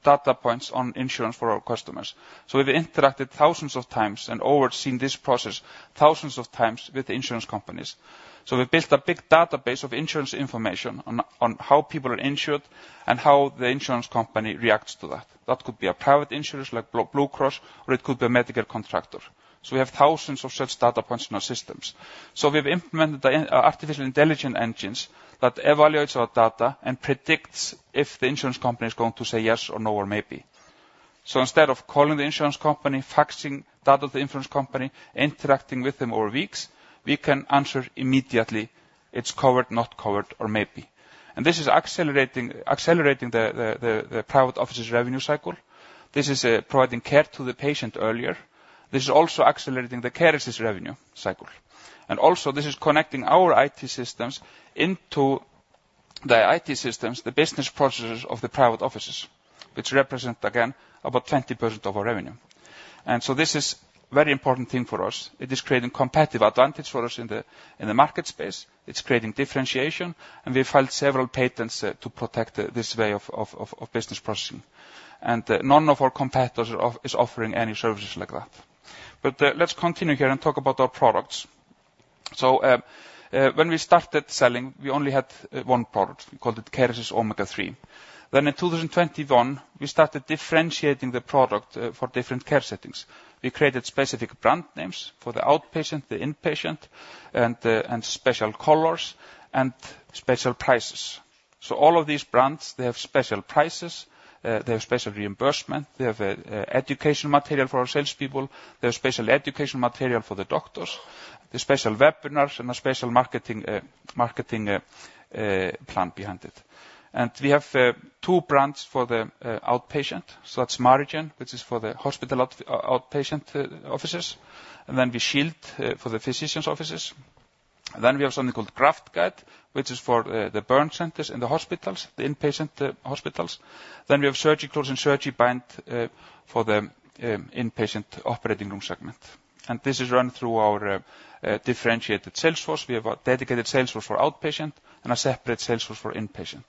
D: data points on insurance for our customers. So we've interacted thousands of times and overseen this process thousands of times with insurance companies. So we built a big database of insurance information on how people are insured and how the insurance company reacts to that. That could be a private insurance like Blue Cross, or it could be a Medicare contractor. So we have thousands of such data points in our systems. So we've implemented the artificial intelligent engines that evaluates our data and predicts if the insurance company is going to say yes or no, or maybe. So instead of calling the insurance company, faxing data to the insurance company, interacting with them over weeks, we can answer immediately, it's covered, not covered, or maybe. And this is accelerating the private office's revenue cycle. This is providing care to the patient earlier. This is also accelerating the Kerecis revenue cycle. And also, this is connecting our IT systems into the IT systems, the business processes of the private offices, which represent, again, about 20% of our revenue. And so this is very important thing for us. It is creating competitive advantage for us in the market space. It's creating differentiation, and we've filed several patents to protect this way of business processing. And none of our competitors are offering any services like that. But let's continue here and talk about our products. So when we started selling, we only had one product, we called it Kerecis Omega3. Then in 2021, we started differentiating the product for different care settings. We created specific brand names for the outpatient, the inpatient, and special colors and special prices. So all of these brands, they have special prices, they have special reimbursement, they have education material for our salespeople, they have special education material for the doctors, the special webinars, and a special marketing plan behind it. And we have two brands for the outpatient, so that's MariGen, which is for the hospital outpatient offices, and then Shield for the physician's offices. Then we have something called GraftGuide, which is for the burn centers in the hospitals, the inpatient hospitals. Then we have SurgiClose and SurgiBind for the inpatient operating room segment. And this is run through our differentiated sales force. We have a dedicated sales force for outpatient and a separate sales force for inpatient.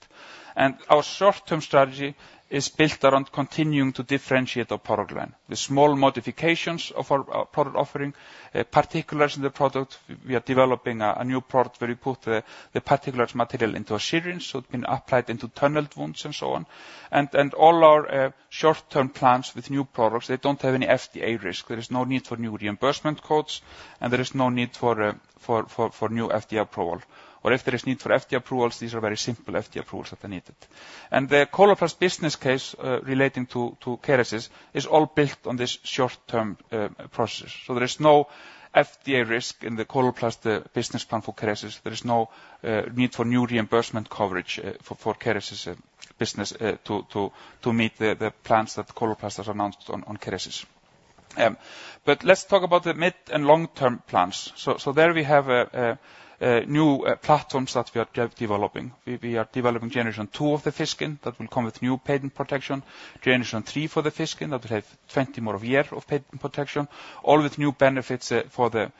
D: Our short-term strategy is built around continuing to differentiate our product line. The small modifications of our product offering, particulate in the product, we are developing a new product where we put the particulate material into a syringe, so it can applied into tunneled wounds and so on. And all our short-term plans with new products, they don't have any FDA risk. There is no need for new reimbursement codes, and there is no need for new FDA approval. Or if there is need for FDA approvals, these are very simple FDA approvals that are needed. And the Coloplast business case relating to Kerecis is all built on this short-term process. So there is no FDA risk in the Coloplast business plan for Kerecis. There is no need for new reimbursement coverage for Kerecis business to meet the plans that Coloplast has announced on Kerecis. But let's talk about the mid- and long-term plans. So there we have a new platforms that we are developing. We are developing generation 2 of the Fish Skin that will come with new patent protection, generation 3 for the Fish Skin, that will have 20 more year of patent protection, all with new benefits for the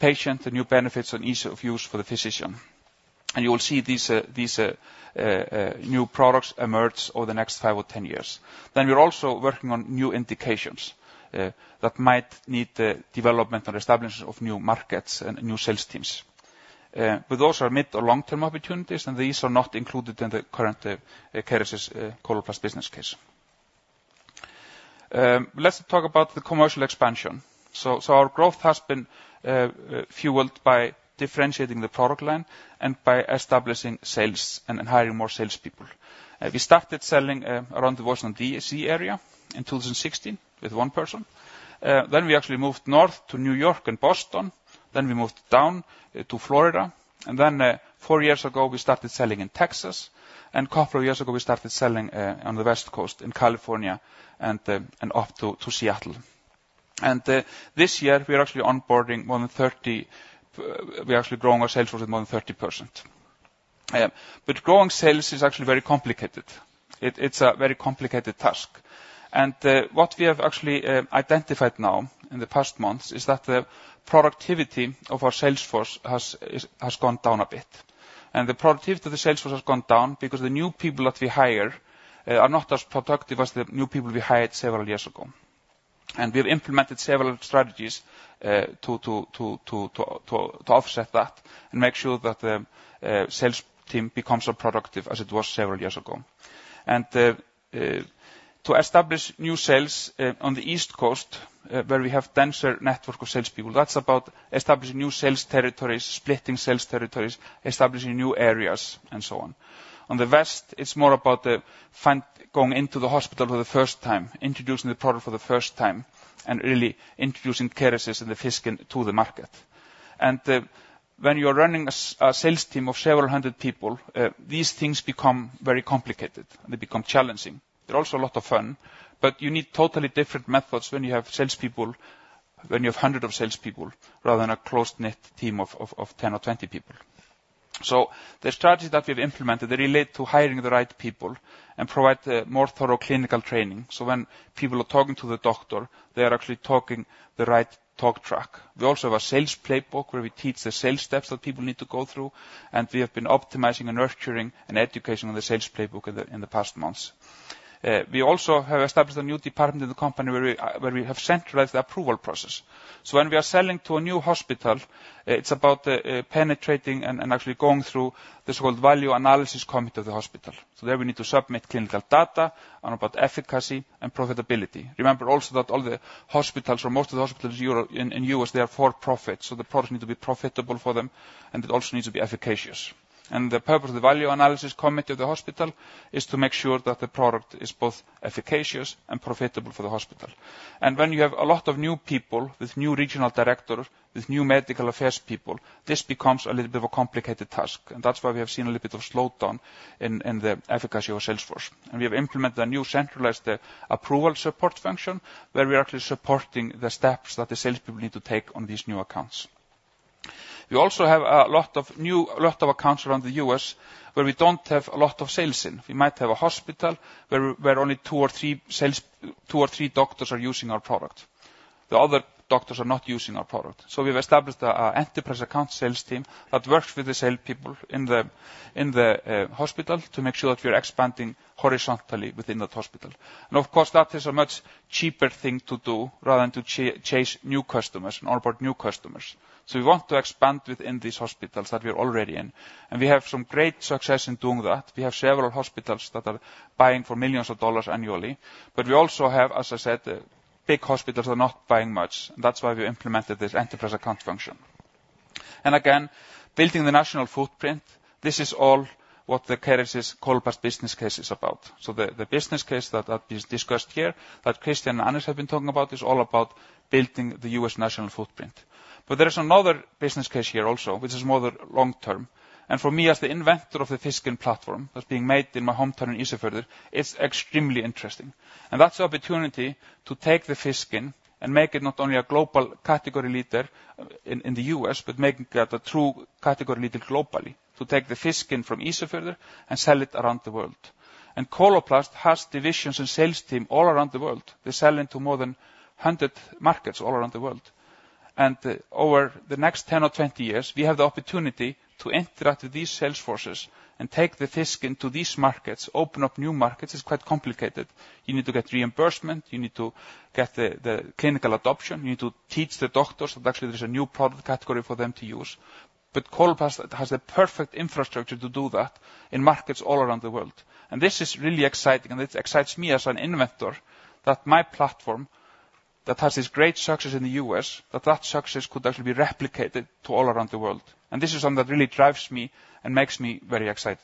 D: patient, the new benefits and ease of use for the physician. And you will see these new products emerge over the next five or 10 years. Then we are also working on new indications that might need the development and establishment of new markets and new sales teams. But those are mid- to long-term opportunities, and these are not included in the current Kerecis Coloplast business case. Let's talk about the commercial expansion. So our growth has been fueled by differentiating the product line and by establishing sales and hiring more salespeople. We started selling around the Washington, D.C. area in 2016 with one person. Then we actually moved north to New York and Boston, then we moved down to Florida, and then four years ago, we started selling in Texas, and a couple of years ago, we started selling on the West Coast, in California and up to Seattle. And this year, we are actually onboarding more than 30%. We are actually growing our sales force more than 30%. Yeah, but growing sales is actually very complicated. It, it's a very complicated task, and what we have actually identified now in the past months is that the productivity of our sales force has gone down a bit. And the productivity of the sales force has gone down because the new people that we hire are not as productive as the new people we hired several years ago. And we've implemented several strategies to offset that and make sure that the sales team becomes so productive as it was several years ago. And to establish new sales on the East Coast where we have denser network of sales people, that's about establishing new sales territories, splitting sales territories, establishing new areas, and so on. On the West, it's more about going into the hospital for the first time, introducing the product for the first time, and really introducing Kerecis and the fish skin to the market. When you are running a sales team of several hundred people, these things become very complicated, and they become challenging. They're also a lot of fun, but you need totally different methods when you have sales people, when you have hundreds of sales people, rather than a close-knit team of 10 or 20 people. So the strategies that we've implemented, they relate to hiring the right people and provide more thorough clinical training. So when people are talking to the doctor, they are actually talking the right talk track. We also have a sales playbook where we teach the sales steps that people need to go through, and we have been optimizing and nurturing and education on the sales playbook in the past months. We also have established a new department in the company where we have centralized the approval process. So when we are selling to a new hospital, it's about penetrating and actually going through this whole value analysis committee of the hospital. So there, we need to submit clinical data on about efficacy and profitability. Remember also that all the hospitals or most of the hospitals in Europe, in U.S., they are for profit, so the product need to be profitable for them, and it also needs to be efficacious. The purpose of the value analysis committee of the hospital is to make sure that the product is both efficacious and profitable for the hospital. When you have a lot of new people with new regional director, with new medical affairs people, this becomes a little bit of a complicated task, and that's why we have seen a little bit of slowdown in the efficacy of our sales force. We have implemented a new centralized approval support function, where we are actually supporting the steps that the sales people need to take on these new accounts. We also have a lot of new, a lot of accounts around the U.S., where we don't have a lot of sales in. We might have a hospital where only two or three sales, two or three doctors are using our product. The other doctors are not using our product. So we've established an enterprise account sales team that works with the sales people in the hospital to make sure that we are expanding horizontally within that hospital. And of course, that is a much cheaper thing to do rather than to chase new customers, on board new customers. So we want to expand within these hospitals that we are already in, and we have some great success in doing that. We have several hospitals that are buying for millions of dollars annually, but we also have, as I said, big hospitals are not buying much, and that's why we implemented this enterprise account function. And again, building the national footprint, this is all what the Kerecis Coloplast business case is about. So the business case that is discussed here, that Kristian and Anders have been talking about, is all about building the U.S. national footprint. But there is another business case here also, which is more the long term. And for me, as the inventor of the fish skin platform, that's being made in my hometown in Ísafjörður, it's extremely interesting. And that's the opportunity to take the fish skin and make it not only a global category leader in the U.S., but making it a true category leader globally, to take the fish skin from Ísafjörður and sell it around the world. And Coloplast has divisions and sales team all around the world. They sell into more than 100 markets all around the world. Over the next 10 or 20 years, we have the opportunity to interact with these sales forces and take the fish skin to these markets, open up new markets. It's quite complicated. You need to get reimbursement, you need to get the clinical adoption, you need to teach the doctors that actually there's a new product category for them to use. But Coloplast has the perfect infrastructure to do that in markets all around the world. And this is really exciting, and it excites me as an inventor, that my platform, that has this great success in the U.S., that that success could actually be replicated to all around the world. And this is something that really drives me and makes me very excited.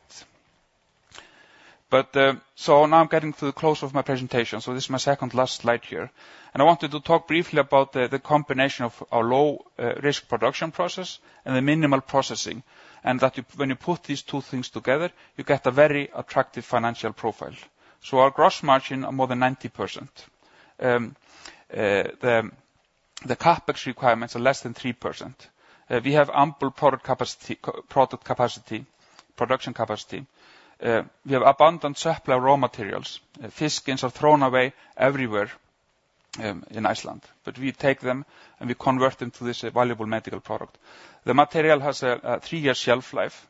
D: But so now I'm getting to the close of my presentation, so this is my second last slide here. And I wanted to talk briefly about the combination of our low risk production process and the minimal processing, and that when you put these two things together, you get a very attractive financial profile. So our gross margin are more than 90%. The CapEx requirements are less than 3%. We have ample product capacity, co-product capacity, production capacity. We have abundant supply of raw materials. Fish skin are thrown away everywhere in Iceland. But we take them, and we convert them to this valuable medical product. The material has a 3-year shelf life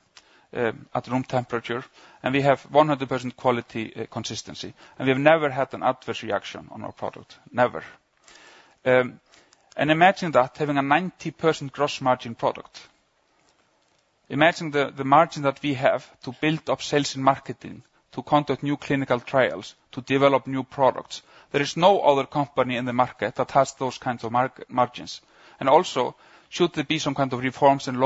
D: at room temperature, and we have 100% quality consistency, and we have never had an adverse reaction on our product, never. And imagine that having a 90% gross margin product. Imagine the margin that we have to build up sales and marketing, to conduct new clinical trials, to develop new products. There is no other company in the market that has those kinds of margins. And also, should there be some kind of reforms in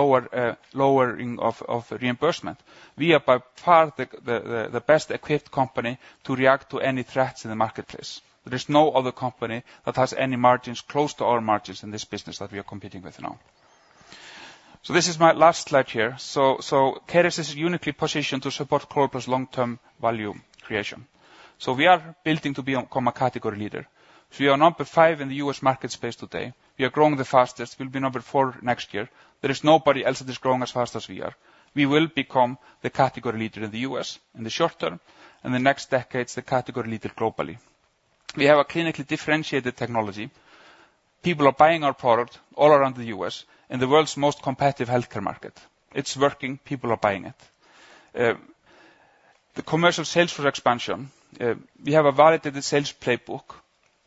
D: lowering of reimbursement, we are by far the best equipped company to react to any threats in the marketplace. There is no other company that has any margins close to our margins in this business that we are competing with now. So this is my last slide here. So Kerecis is uniquely positioned to support Coloplast's long-term value creation. So we are building to be a category leader. So we are number five in the U.S. market space today. We are growing the fastest. We'll be number four next year. There is nobody else that is growing as fast as we are. We will become the category leader in the U.S.in the short term, and the next decades, the category leader globally. We have a clinically differentiated technology. People are buying our product all around the U.S., in the world's most competitive healthcare market. It's working, people are buying it. The commercial sales for expansion, we have a validated sales playbook.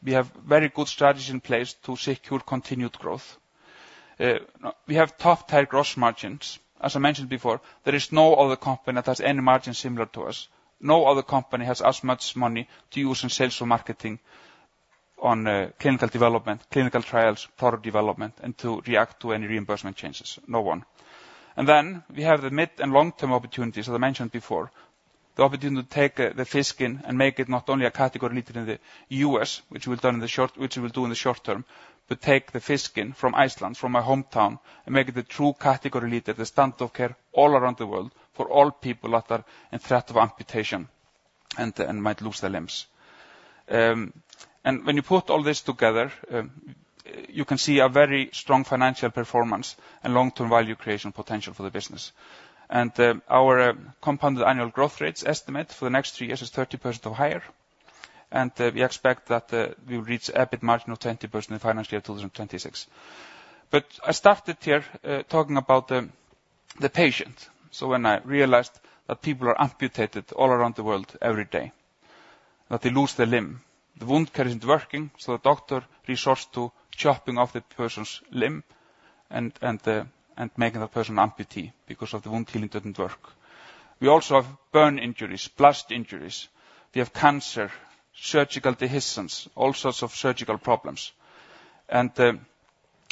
D: We have very good strategies in place to secure continued growth. We have top-tier gross margins. As I mentioned before, there is no other company that has any margins similar to us. No other company has as much money to use in sales or marketing on, clinical development, clinical trials, product development, and to react to any reimbursement changes. No one. Then we have the mid and long-term opportunities, as I mentioned before, the opportunity to take the Fish Skin and make it not only a category leader in the U.S., which we will do in the short term, but take the Fish Skin from Iceland, from my hometown, and make it a true category leader, the standard of care all around the world for all people that are in threat of amputation and might lose their limbs. When you put all this together, you can see a very strong financial performance and long-term value creation potential for the business. Our compounded annual growth rates estimate for the next three years is 30% or higher, and we expect that we will reach EBIT margin of 20% in financial year 2026. But I started here talking about the patient. So when I realized that people are amputated all around the world every day, that they lose their limb, the wound care isn't working, so the doctor resorts to chopping off the person's limb and making the person an amputee because the wound healing didn't work. We also have burn injuries, blast injuries, we have cancer, surgical dehiscence, all sorts of surgical problems.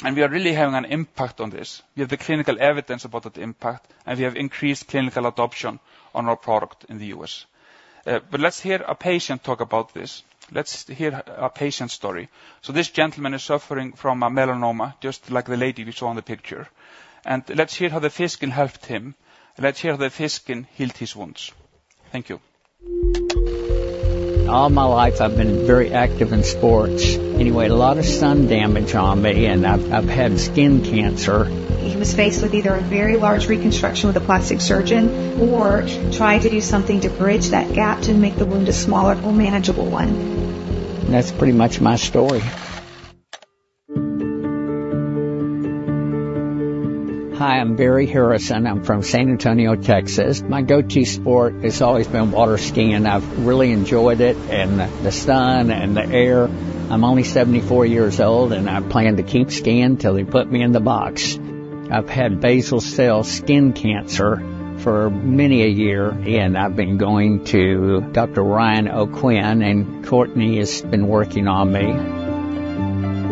D: And we are really having an impact on this. We have the clinical evidence about that impact, and we have increased clinical adoption on our product in the U.S. But let's hear a patient talk about this. Let's hear a patient story. So this gentleman is suffering from a melanoma, just like the lady we saw on the picture. And let's hear how the Fish Skin helped him, and let's hear how the Fish Skin healed his wounds. Thank you.
E: All my life, I've been very active in sports. Anyway, a lot of sun damage on me, and I've had skin cancer.
F: He was faced with either a very large reconstruction with a plastic surgeon or try to do something to bridge that gap to make the wound a smaller, more manageable one.
E: That's pretty much my story. Hi, I'm Barry Harrison. I'm from San Antonio, Texas. My go-to sport has always been water skiing. I've really enjoyed it and the sun and the air. I'm only 74 years old, and I plan to keep skiing till they put me in the box. I've had basal cell skin cancer for many a year, and I've been going to Dr. Ryan O'Quinn, and Courtney has been working on me.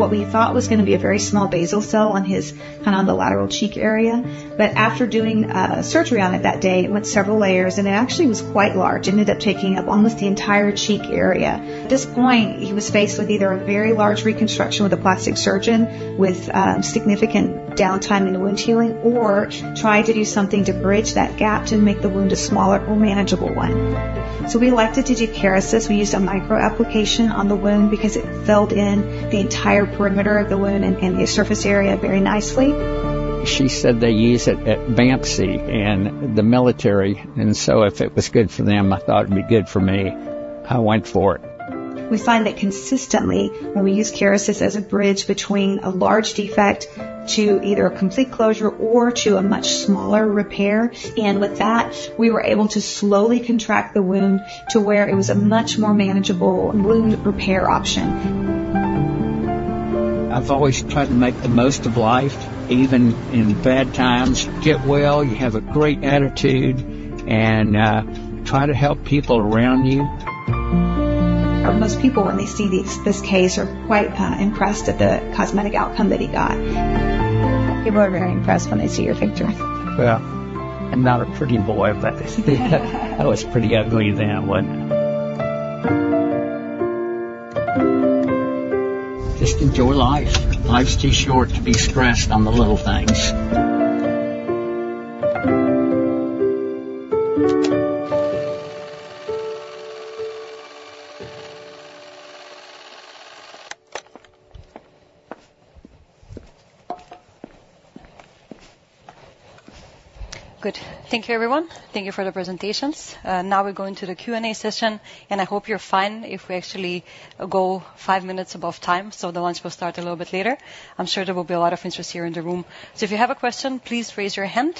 F: What we thought was gonna be a very small basal cell on his, kind of the lateral cheek area, but after doing surgery on it that day, it went several layers, and it actually was quite large. It ended up taking up almost the entire cheek area. At this point, he was faced with either a very large reconstruction with a plastic surgeon, with significant downtime in the wound healing, or try to do something to bridge that gap to make the wound a smaller, more manageable one. So we elected to do Kerecis. We used a micro application on the wound because it filled in the entire perimeter of the wound and the surface area very nicely.
E: She said they use it at BAMC and the military, and so if it was good for them, I thought it'd be good for me. I went for it.
F: We find that consistently, when we use Kerecis as a bridge between a large defect to either a complete closure or to a much smaller repair, and with that, we were able to slowly contract the wound to where it was a much more manageable wound repair option.
E: I've always tried to make the most of life, even in bad times. Get well, you have a great attitude and try to help people around you.
F: Most people, when they see these, this case, are quite kind of impressed at the cosmetic outcome that he got. People are very impressed when they see your picture.
E: Well, I'm not a pretty boy, but I was pretty ugly then, wasn't I? Just enjoy life. Life's too short to be stressed on the little things.
A: Good. Thank you, everyone. Thank you for the presentations. Now we're going to the Q&A session, and I hope you're fine if we actually go five minutes above time, so the lunch will start a little bit later. I'm sure there will be a lot of interest here in the room. So if you have a question, please raise your hand.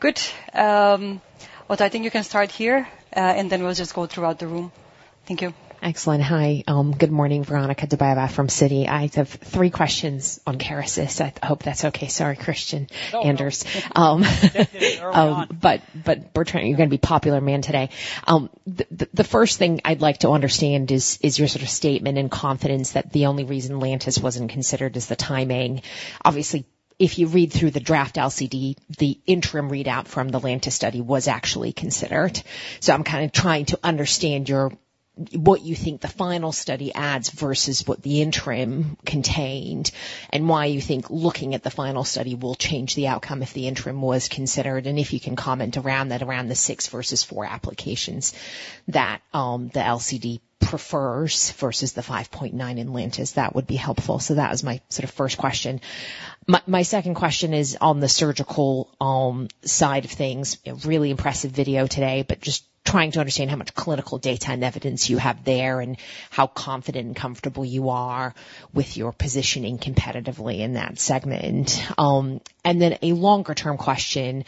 A: Good. Well, I think you can start here, and then we'll just go throughout the room. Thank you.
G: Excellent. Hi, good morning, Veronika Dubajova from Citi. I have three questions on Kerecis. I hope that's okay. Sorry, Kristian, Anders. But, but Fertram, you're gonna be a popular man today. The first thing I'd like to understand is your sort of statement and confidence that the only reason Lantis wasn't considered is the timing. Obviously, if you read through the draft LCD, the interim readout from the Lantis study was actually considered. So I'm kind of trying to understand your... what you think the final study adds versus what the interim contained, and why you think looking at the final study will change the outcome if the interim was considered? And if you can comment around that, around the six versus four applications that the LCD prefers versus the 5.9 in Lantis, that would be helpful. So that was my sort of first question. My, my second question is on the surgical side of things. A really impressive video today, but just trying to understand how much clinical data and evidence you have there, and how confident and comfortable you are with your positioning competitively in that segment. And then a longer-term question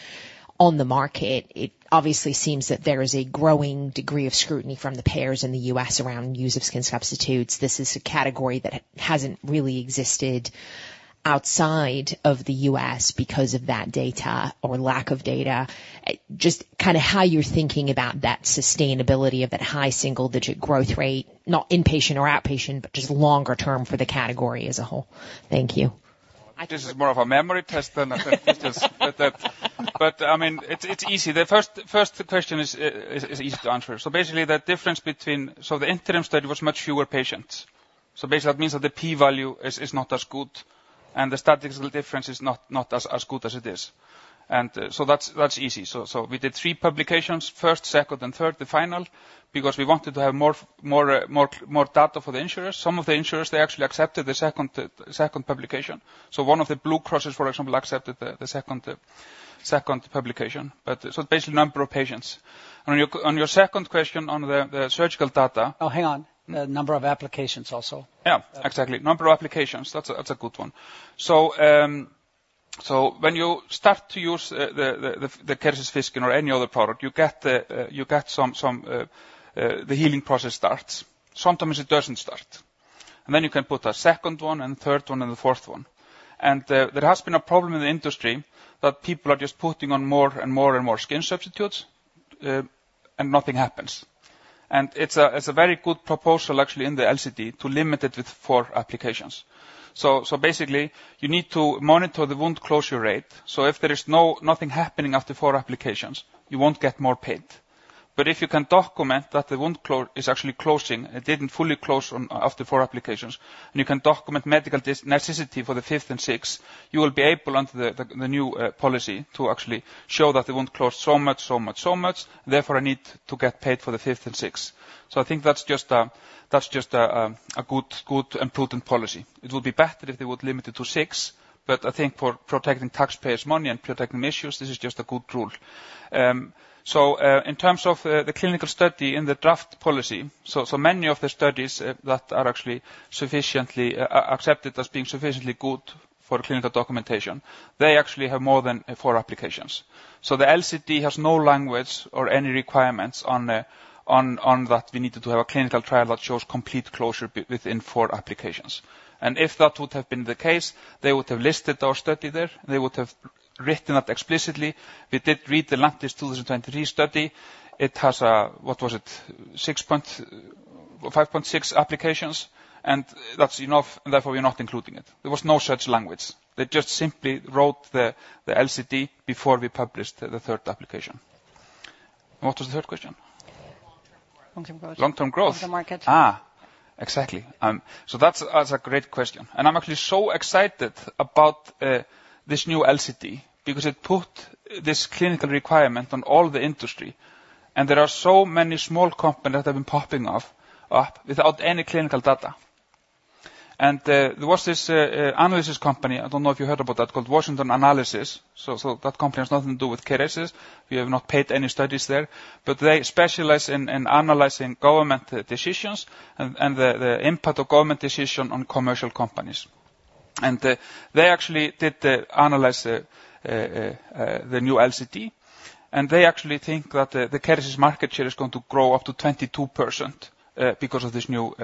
G: on the market. It obviously seems that there is a growing degree of scrutiny from the payers in the U.S. around use of skin substitutes. This is a category that hasn't really existed outside of the U.S. because of that data or lack of data. Just kinda how you're thinking about that sustainability of that high single digit growth rate, not inpatient or outpatient, but just longer term for the category as a whole. Thank you.
D: This is more of a memory test, but I mean, it's easy. The first question is easy to answer. So basically, the difference between, so the interim study was much fewer patients. So basically, that means that the p-value is not as good, and the statistical difference is not as good as it is. And so that's easy. So we did three publications, first, second, and third, the final, because we wanted to have more data for the insurers. Some of the insurers, they actually accepted the second publication. So one of the Blue Crosses, for example, accepted the second publication, but so basically, number of patients. On your second question on the surgical data-
B: Oh, hang on. The number of applications also.
D: Yeah, exactly. Number of applications, that's a good one. So, when you start to use the Kerecis fish skin or any other product, you get some, the healing process starts. Sometimes it doesn't start. And then you can put a second one, and third one, and a fourth one. And there has been a problem in the industry that people are just putting on more and more and more skin substitutes, and nothing happens. And it's a very good proposal, actually, in the LCD to limit it with four applications. So basically, you need to monitor the wound closure rate. So if there is nothing happening after four applications, you won't get more paid. But if you can document that the wound clo... is actually closing. It didn't fully close on after four applications, and you can document medical necessity for the fifth and sixth. You will be able, under the new policy, to actually show that the wound closed so much, so much, so much, therefore, I need to get paid for the fifth and sixth. So I think that's just a good and prudent policy. It would be better if they would limit it to six, but I think for protecting taxpayers' money and protecting issues, this is just a good rule. So, in terms of the clinical study in the draft policy, so many of the studies that are actually sufficiently accepted as being sufficiently good for clinical documentation, they actually have more than four applications. So the LCD has no language or any requirements on that we needed to have a clinical trial that shows complete closure within four applications. And if that would have been the case, they would have listed our study there, they would have written that explicitly. We did read the Lantis 2023 study. It has, what was it? 5.6 applications, and that's enough, and therefore we're not including it. There was no such language. They just simply wrote the LCD before we published the third application. What was the third question?
G: Long-term growth.
D: Long-term growth.
G: Long-term market.
D: Ah, exactly. So that's, that's a great question. And I'm actually so excited about this new LCD because it put this clinical requirement on all the industry, and there are so many small companies that have been popping up without any clinical data. And there was this analysis company, I don't know if you heard about that, called Washington Analysis. So that company has nothing to do with Kerecis. We have not paid any studies there, but they specialize in analyzing government decisions and the impact of government decision on commercial companies. And they actually did analyze the new LCD, and they actually think that the Kerecis market share is going to grow up to 22%, because of this new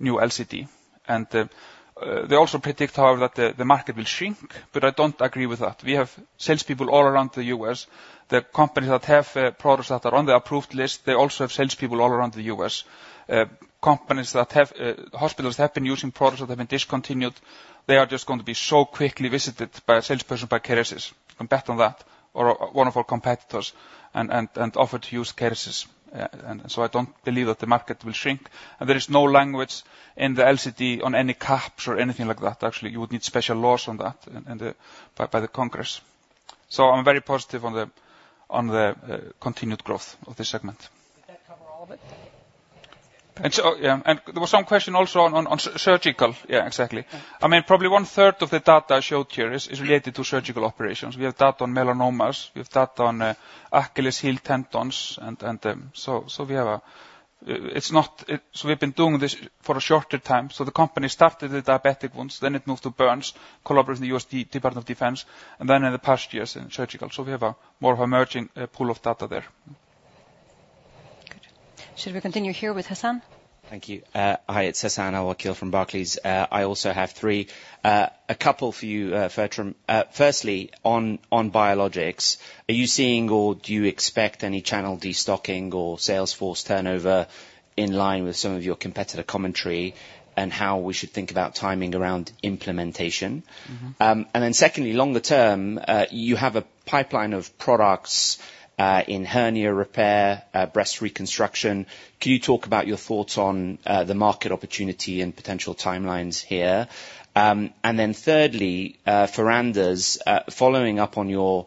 D: LCD. They also predict, however, that the market will shrink, but I don't agree with that. We have salespeople all around the U.S. The companies that have products that are on the approved list, they also have salespeople all around the U.S. Companies that have hospitals that have been using products that have been discontinued, they are just going to be so quickly visited by a salesperson, by Kerecis, you can bet on that, or one of our competitors, and offered to use Kerecis. And so I don't believe that the market will shrink, and there is no language in the LCD on any caps or anything like that. Actually, you would need special laws on that by the Congress. So I'm very positive on the continued growth of this segment.
G: Did that cover all of it?
D: Yeah, there was some question also on surgical. Yeah, exactly. I mean, probably one-third of the data I showed here is related to surgical operations. We have data on melanomas. We have data on Achilles heel tendons, and so we have a... So we've been doing this for a shorter time. So the company started the diabetic ones, then it moved to burns, collaborated with the U.S. Department of Defense, and then in the past years, surgical. So we have more of an emerging pool of data there. ...
A: Should we continue here with Hassan?
H: Thank you. Hi, it's Hassan Al-Wakeel from Barclays. I also have three. A couple for you, Fertram. Firstly, on biologics, are you seeing or do you expect any channel destocking or sales force turnover in line with some of your competitor commentary, and how we should think about timing around implementation?
D: Mm-hmm.
H: And then secondly, longer term, you have a pipeline of products in hernia repair, breast reconstruction. Can you talk about your thoughts on the market opportunity and potential timelines here? And then thirdly, for Anders, following up on your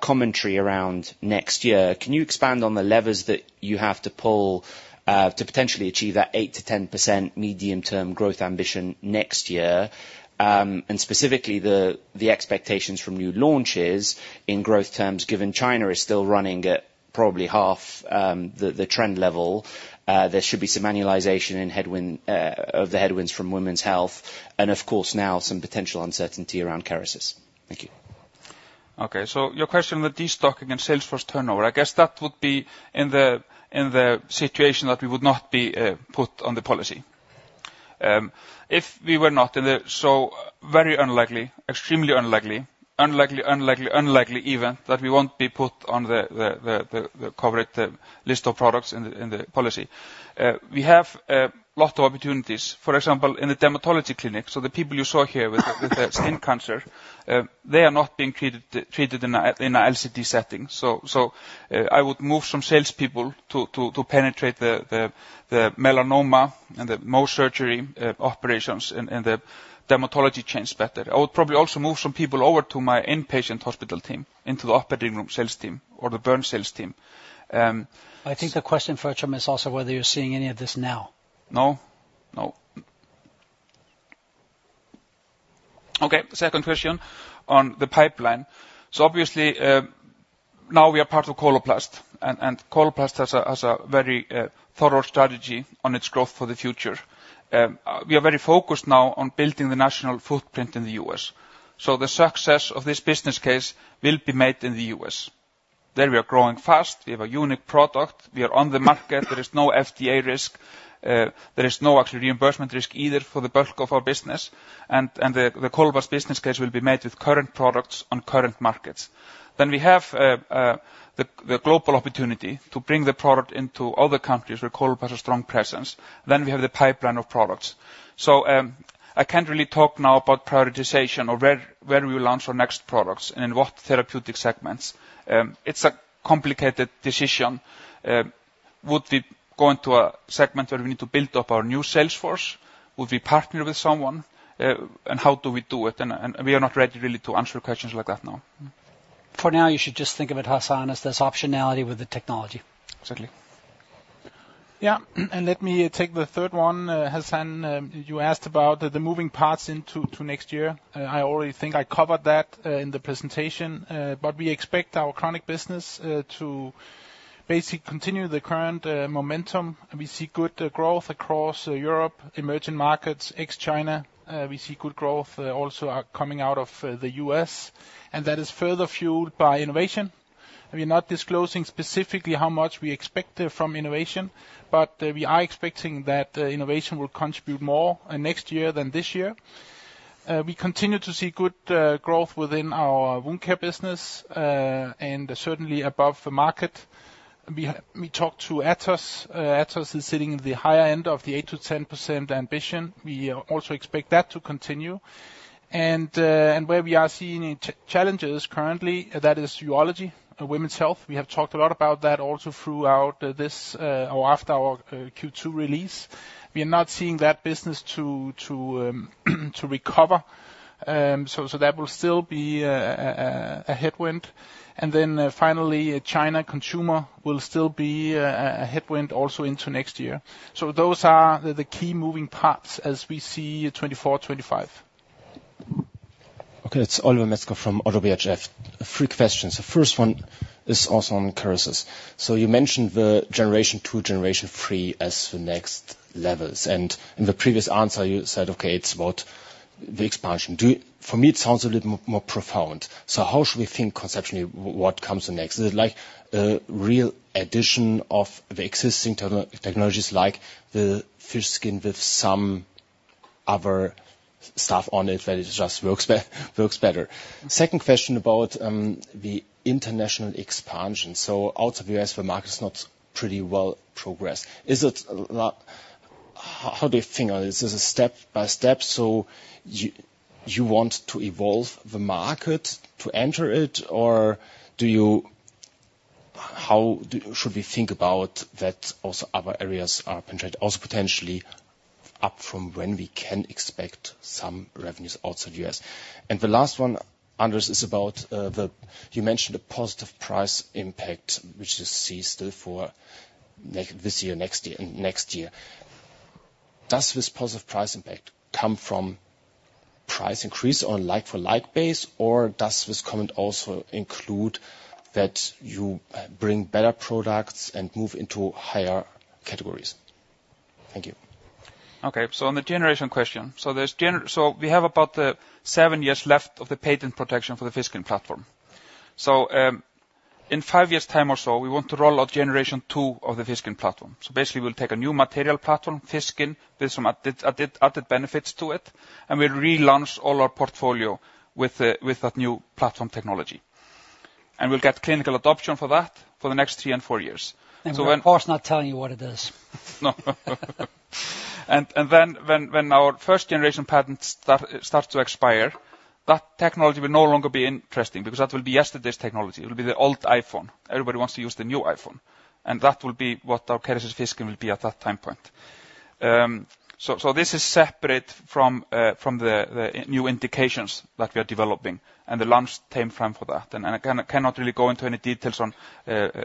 H: commentary around next year, can you expand on the levers that you have to pull to potentially achieve that 8%-10% medium-term growth ambition next year? And specifically, the expectations from new launches in growth terms, given China is still running at probably half the trend level, there should be some annualization and headwind of the headwinds from women's health, and of course, now some potential uncertainty around Kerecis. Thank you.
D: Okay, so your question on the destocking and sales force turnover, I guess that would be in the situation that we would not be put on the policy. If we were not in the—so very unlikely, extremely unlikely event that we won't be put on the coverage, the list of products in the policy. We have a lot of opportunities, for example, in the dermatology clinic, so the people you saw here with the skin cancer, they are not being treated in a LCD setting. So, I would move some sales people to penetrate the melanoma and the mole surgery operations and the dermatology chains better. I would probably also move some people over to my inpatient hospital team, into the operating room sales team or the burn sales team.
B: I think the question, Fertram, is also whether you're seeing any of this now?
D: No, no. Okay, second question on the pipeline. So obviously, now we are part of Coloplast, and Coloplast has a very thorough strategy on its growth for the future. We are very focused now on building the national footprint in the U.S. So the success of this business case will be made in the U.S. There, we are growing fast. We have a unique product, we are on the market, there is no FDA risk, there is no actually reimbursement risk either for the bulk of our business, and the Coloplast business case will be made with current products on current markets. Then we have the global opportunity to bring the product into other countries where Coloplast has a strong presence, then we have the pipeline of products. I can't really talk now about prioritization or where we launch our next products and in what therapeutic segments. It's a complicated decision. Would we go into a segment where we need to build up our new sales force? Would we partner with someone? And how do we do it? And we are not ready, really, to answer questions like that now.
B: For now, you should just think of it, Hassan, as there's optionality with the technology.
D: Exactly.
C: Yeah, and let me take the third one. Hassan, you asked about the moving parts into to next year. I already think I covered that, in the presentation, but we expect our chronic business to basically continue the current momentum. We see good growth across Europe, emerging markets, ex-China. We see good growth also coming out of the U.S., and that is further fueled by innovation. We're not disclosing specifically how much we expect from innovation, but we are expecting that innovation will contribute more next year than this year. We continue to see good growth within our wound care business, and certainly above the market. We have- we talked to Atos. Atos is sitting in the higher end of the 8%-10% ambition. We also expect that to continue. And where we are seeing challenges currently, that is Urology, women's health. We have talked a lot about that also throughout this, or after our Q2 release. We are not seeing that business to recover, so that will still be a headwind. And then, finally, China consumer will still be a headwind also into next year. So those are the key moving parts as we see 2024, 2025.
I: Okay, it's Oliver Metzger from Oddo BHF. Three questions. The first one is also on Kerecis. So you mentioned the generation two, generation three as the next levels, and in the previous answer, you said, Okay, it's about the expansion. For me, it sounds a little more profound. So how should we think conceptually, what comes next? Is it like a real addition of the existing technologies, like the fish skin with some other stuff on it, that it just works better? Second question about the international expansion. So out of the US, the market is not pretty well progressed. Is it not... How do you think on this? Is it step by step, so you want to evolve the market to enter it, or do you how should we think about that also other areas are penetrated, also potentially up from when we can expect some revenues outside U.S.? And the last one, Anders, is about, you mentioned a positive price impact, which you see still for like this year, next year and next year. Does this positive price impact come from price increase on like-for-like base, or does this comment also include that you bring better products and move into higher categories?... Thank you.
D: Okay, so on the generation question, so we have about seven years left of the patent protection for the fish skin platform. So, in five years' time or so, we want to roll out generation 2 of the fish skin platform. So basically, we'll take a new material platform, fish skin, there's some added benefits to it, and we'll relaunch all our portfolio with that new platform technology. And we'll get clinical adoption for that for the next three and four years. So when-
B: We're of course not telling you what it is.
D: And then when our first generation patents start to expire, that technology will no longer be interesting because that will be yesterday's technology. It will be the old iPhone. Everybody wants to use the new iPhone, and that will be what our Kerecis fish skin will be at that time point. So this is separate from the new indications that we are developing and the launch time frame for that. And I cannot really go into any details on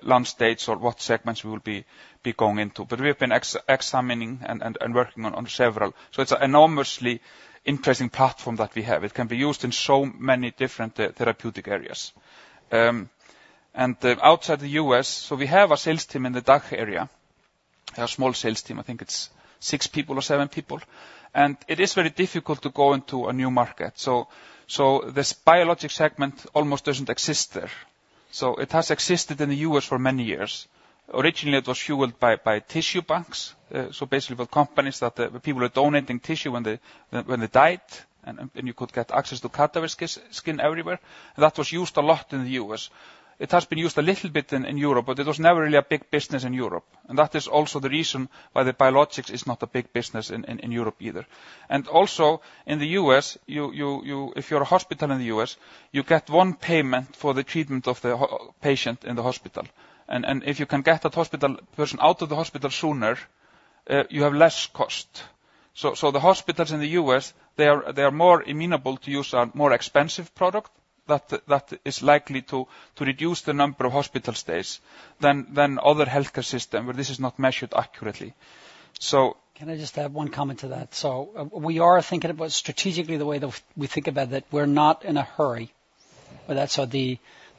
D: launch dates or what segments we will be going into, but we have been examining and working on several. So it's an enormously interesting platform that we have. It can be used in so many different therapeutic areas. And outside the U.S., so we have a sales team in the DACH area, a small sales team, I think it's six people or seven people, and it is very difficult to go into a new market. So this biologic segment almost doesn't exist there. So it has existed in the U.S. for many years. Originally, it was fueled by tissue banks. So basically, the companies that the people were donating tissue when they died, and you could get access to cadaver skin everywhere. That was used a lot in the U.S. It has been used a little bit in Europe, but it was never really a big business in Europe. And that is also the reason why the biologics is not a big business in Europe either. And also in the U.S., you, if you're a hospital in the US, you get one payment for the treatment of the hospital patient in the hospital. And if you can get that hospital person out of the hospital sooner, you have less cost. So the hospitals in the U.S., they are more amenable to use a more expensive product that is likely to reduce the number of hospital stays than other healthcare system, where this is not measured accurately. So-
B: Can I just add one comment to that? So we are thinking about strategically, the way that we think about that, we're not in a hurry. But that's so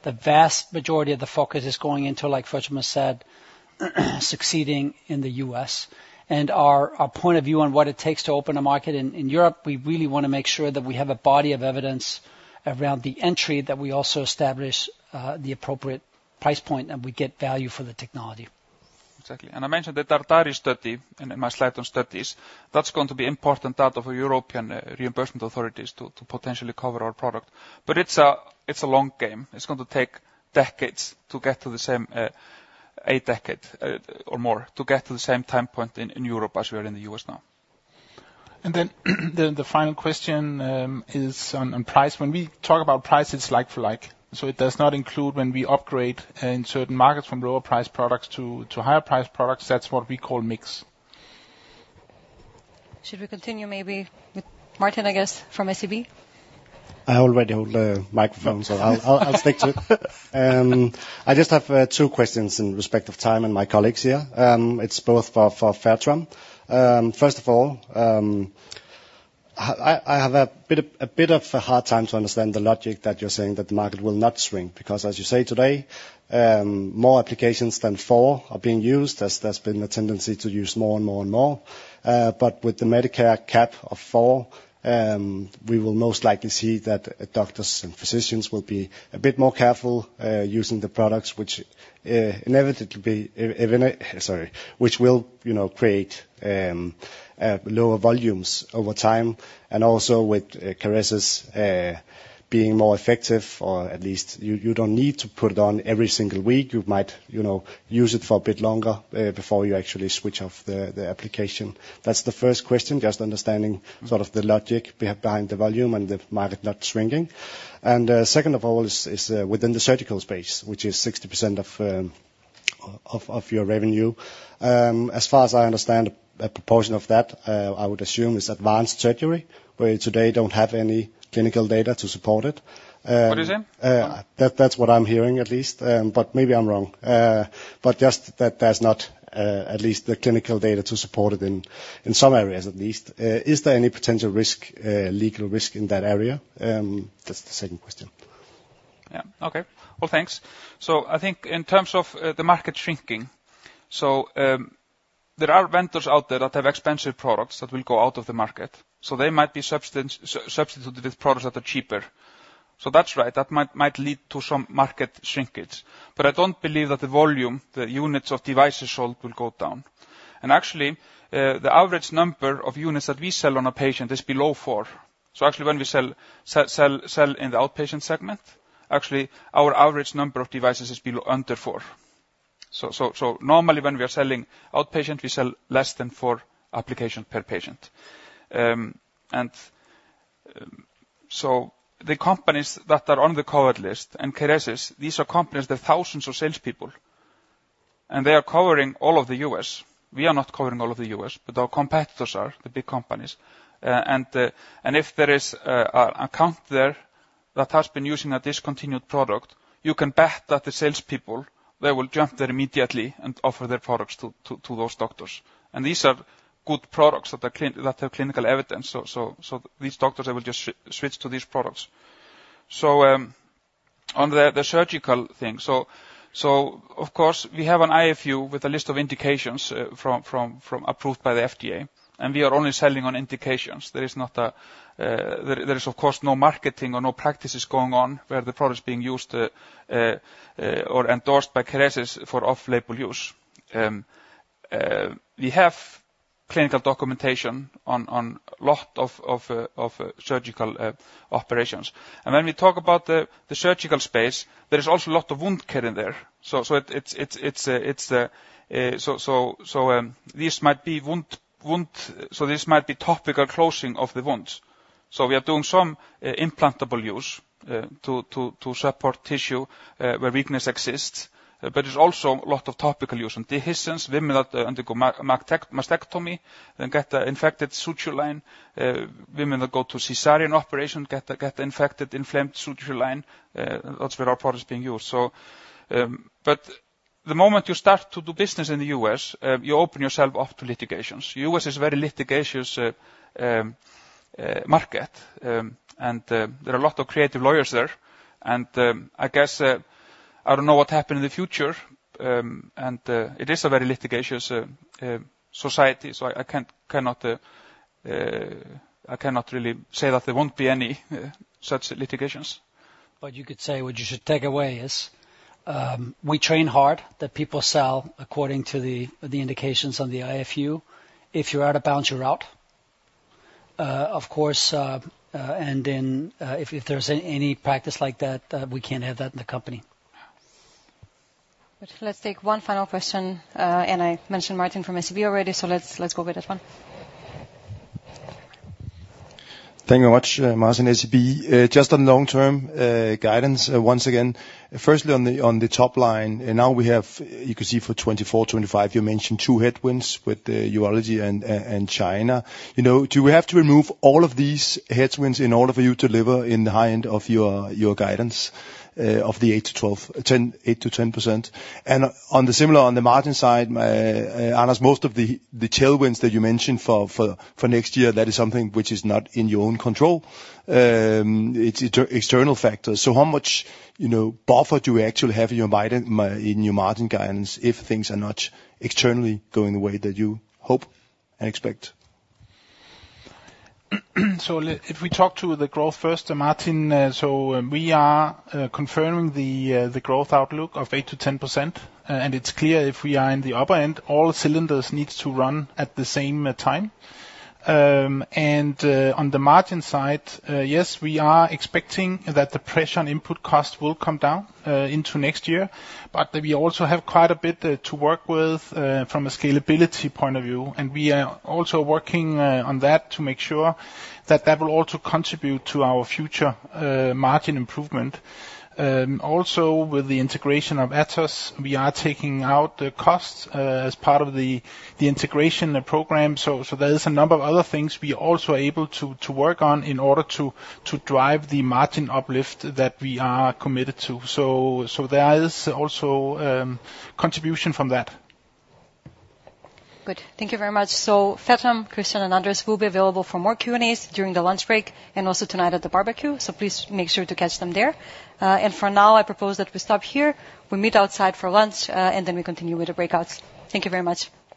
B: the vast majority of the focus is going into, like Fertram said, succeeding in the U.S. And our point of view on what it takes to open a market in Europe, we really want to make sure that we have a body of evidence around the entry, that we also establish the appropriate price point, and we get value for the technology.
D: Exactly. And I mentioned the Lazzara study in my slide on studies. That's going to be important out of the European reimbursement authorities to potentially cover our product. But it's a long game. It's going to take decades to get to the same, a decade, or more, to get to the same time point in Europe as we are in the U.S. now. And then the final question is on price. When we talk about price, it's like for like, so it does not include when we upgrade in certain markets from lower priced products to higher priced products. That's what we call mix.
A: Should we continue maybe with Martin, I guess, from SEB?
J: I already hold the microphone, so I'll speak, too. I just have two questions in respect of time and my colleagues here. It's both for Fertram. First of all, I have a bit of a hard time to understand the logic that you're saying that the market will not shrink, because as you say today, more applications than four are being used. There's been a tendency to use more and more and more, but with the Medicare cap of four, we will most likely see that doctors and physicians will be a bit more careful using the products, which inevitably, sorry, which will, you know, create lower volumes over time, and also with Kerecis's being more effective, or at least you don't need to put it on every single week. You might, you know, use it for a bit longer before you actually switch off the application. That's the first question, just understanding sort of the logic behind the volume and the market not shrinking. And second of all is within the surgical space, which is 60% of your revenue. As far as I understand, a proportion of that, I would assume, is advanced surgery, where today don't have any clinical data to support it.
D: What did you say?
J: That's what I'm hearing, at least, but maybe I'm wrong. But just that there's not at least the clinical data to support it in some areas at least. Is there any potential risk, legal risk in that area? That's the second question.
D: Yeah. Okay. Well, thanks. So I think in terms of the market shrinking, so there are vendors out there that have expensive products that will go out of the market, so they might be substituted with products that are cheaper. So that's right, that might lead to some market shrinkage, but I don't believe that the volume, the units of devices sold, will go down. And actually, the average number of units that we sell on a patient is below four. So actually, when we sell in the outpatient segment, actually, our average number of devices is below under four. So normally, when we are selling outpatient, we sell less than four application per patient. The companies that are on the covered list, and Kerecis, these are companies with thousands of salespeople, and they are covering all of the U.S. We are not covering all of the U.S., but our competitors are, the big companies. And if there is an account there that has been using a discontinued product, you can bet that the salespeople, they will jump there immediately and offer their products to those doctors. And these are good products that are clinical that have clinical evidence, so these doctors, they will just switch to these products. On the surgical thing. Of course, we have an IFU with a list of indications approved by the FDA, and we are only selling on indications. There is, of course, no marketing or no practices going on where the product is being used or endorsed by Kerecis for off-label use. We have clinical documentation on a lot of surgical operations. And when we talk about the surgical space, there is also a lot of wound care in there. This might be wound—so this might be topical closing of the wounds. So we are doing some implantable use to support tissue where weakness exists, but there's also a lot of topical use and dehiscence. Women that undergo mastectomy, then get an infected suture line, women that go to cesarean operation, get infected, inflamed suture line, that's where our product is being used. So, but the moment you start to do business in the U.S., you open yourself up to litigations. U.S. is very litigious market, and there are a lot of creative lawyers there, and I guess, I don't know what happened in the future, and it is a very litigious society, so I cannot really say that there won't be any such litigations.
B: But you could say, what you should take away is, we train hard, that people sell according to the indications on the IFU. If you're out of bounds, you're out. Of course, and then, if there's any practice like that, we can't have that in the company.
A: But let's take one final question, and I mentioned Martin from SEB already, so let's go with that one.
K: Thank you very much, Martin, SEB. Just on long-term guidance, once again, firstly, on the top line, and now we have, you can see for 2024, 2025, you mentioned two headwinds with the Urology and China. You know, do we have to remove all of these headwinds in order for you to deliver in the high end of your guidance of the 8%-12%, 8%-10%? And on the similar, on the margin side, Anders, most of the tailwinds that you mentioned for next year, that is something which is not in your own control, it's external factors. So how much, you know, buffer do we actually have in your guided, in your margin guidance if things are not externally going the way that you hope and expect?
C: So if we talk to the growth first, Martin, so we are confirming the growth outlook of 8%-10%, and it's clear if we are in the upper end, all cylinders needs to run at the same time. And on the margin side, yes, we are expecting that the pressure on input costs will come down into next year, but we also have quite a bit to work with from a scalability point of view, and we are also working on that to make sure that that will also contribute to our future margin improvement. Also, with the integration of Atos, we are taking out the costs as part of the integration program. So, there is a number of other things we are also able to work on in order to drive the margin uplift that we are committed to. So, there is also contribution from that.
A: Good. Thank you very much. So Fertram, Kristian, and Anders will be available for more Q&As during the lunch break and also tonight at the barbecue, so please make sure to catch them there. For now, I propose that we stop here. We meet outside for lunch, and then we continue with the breakouts. Thank you very much.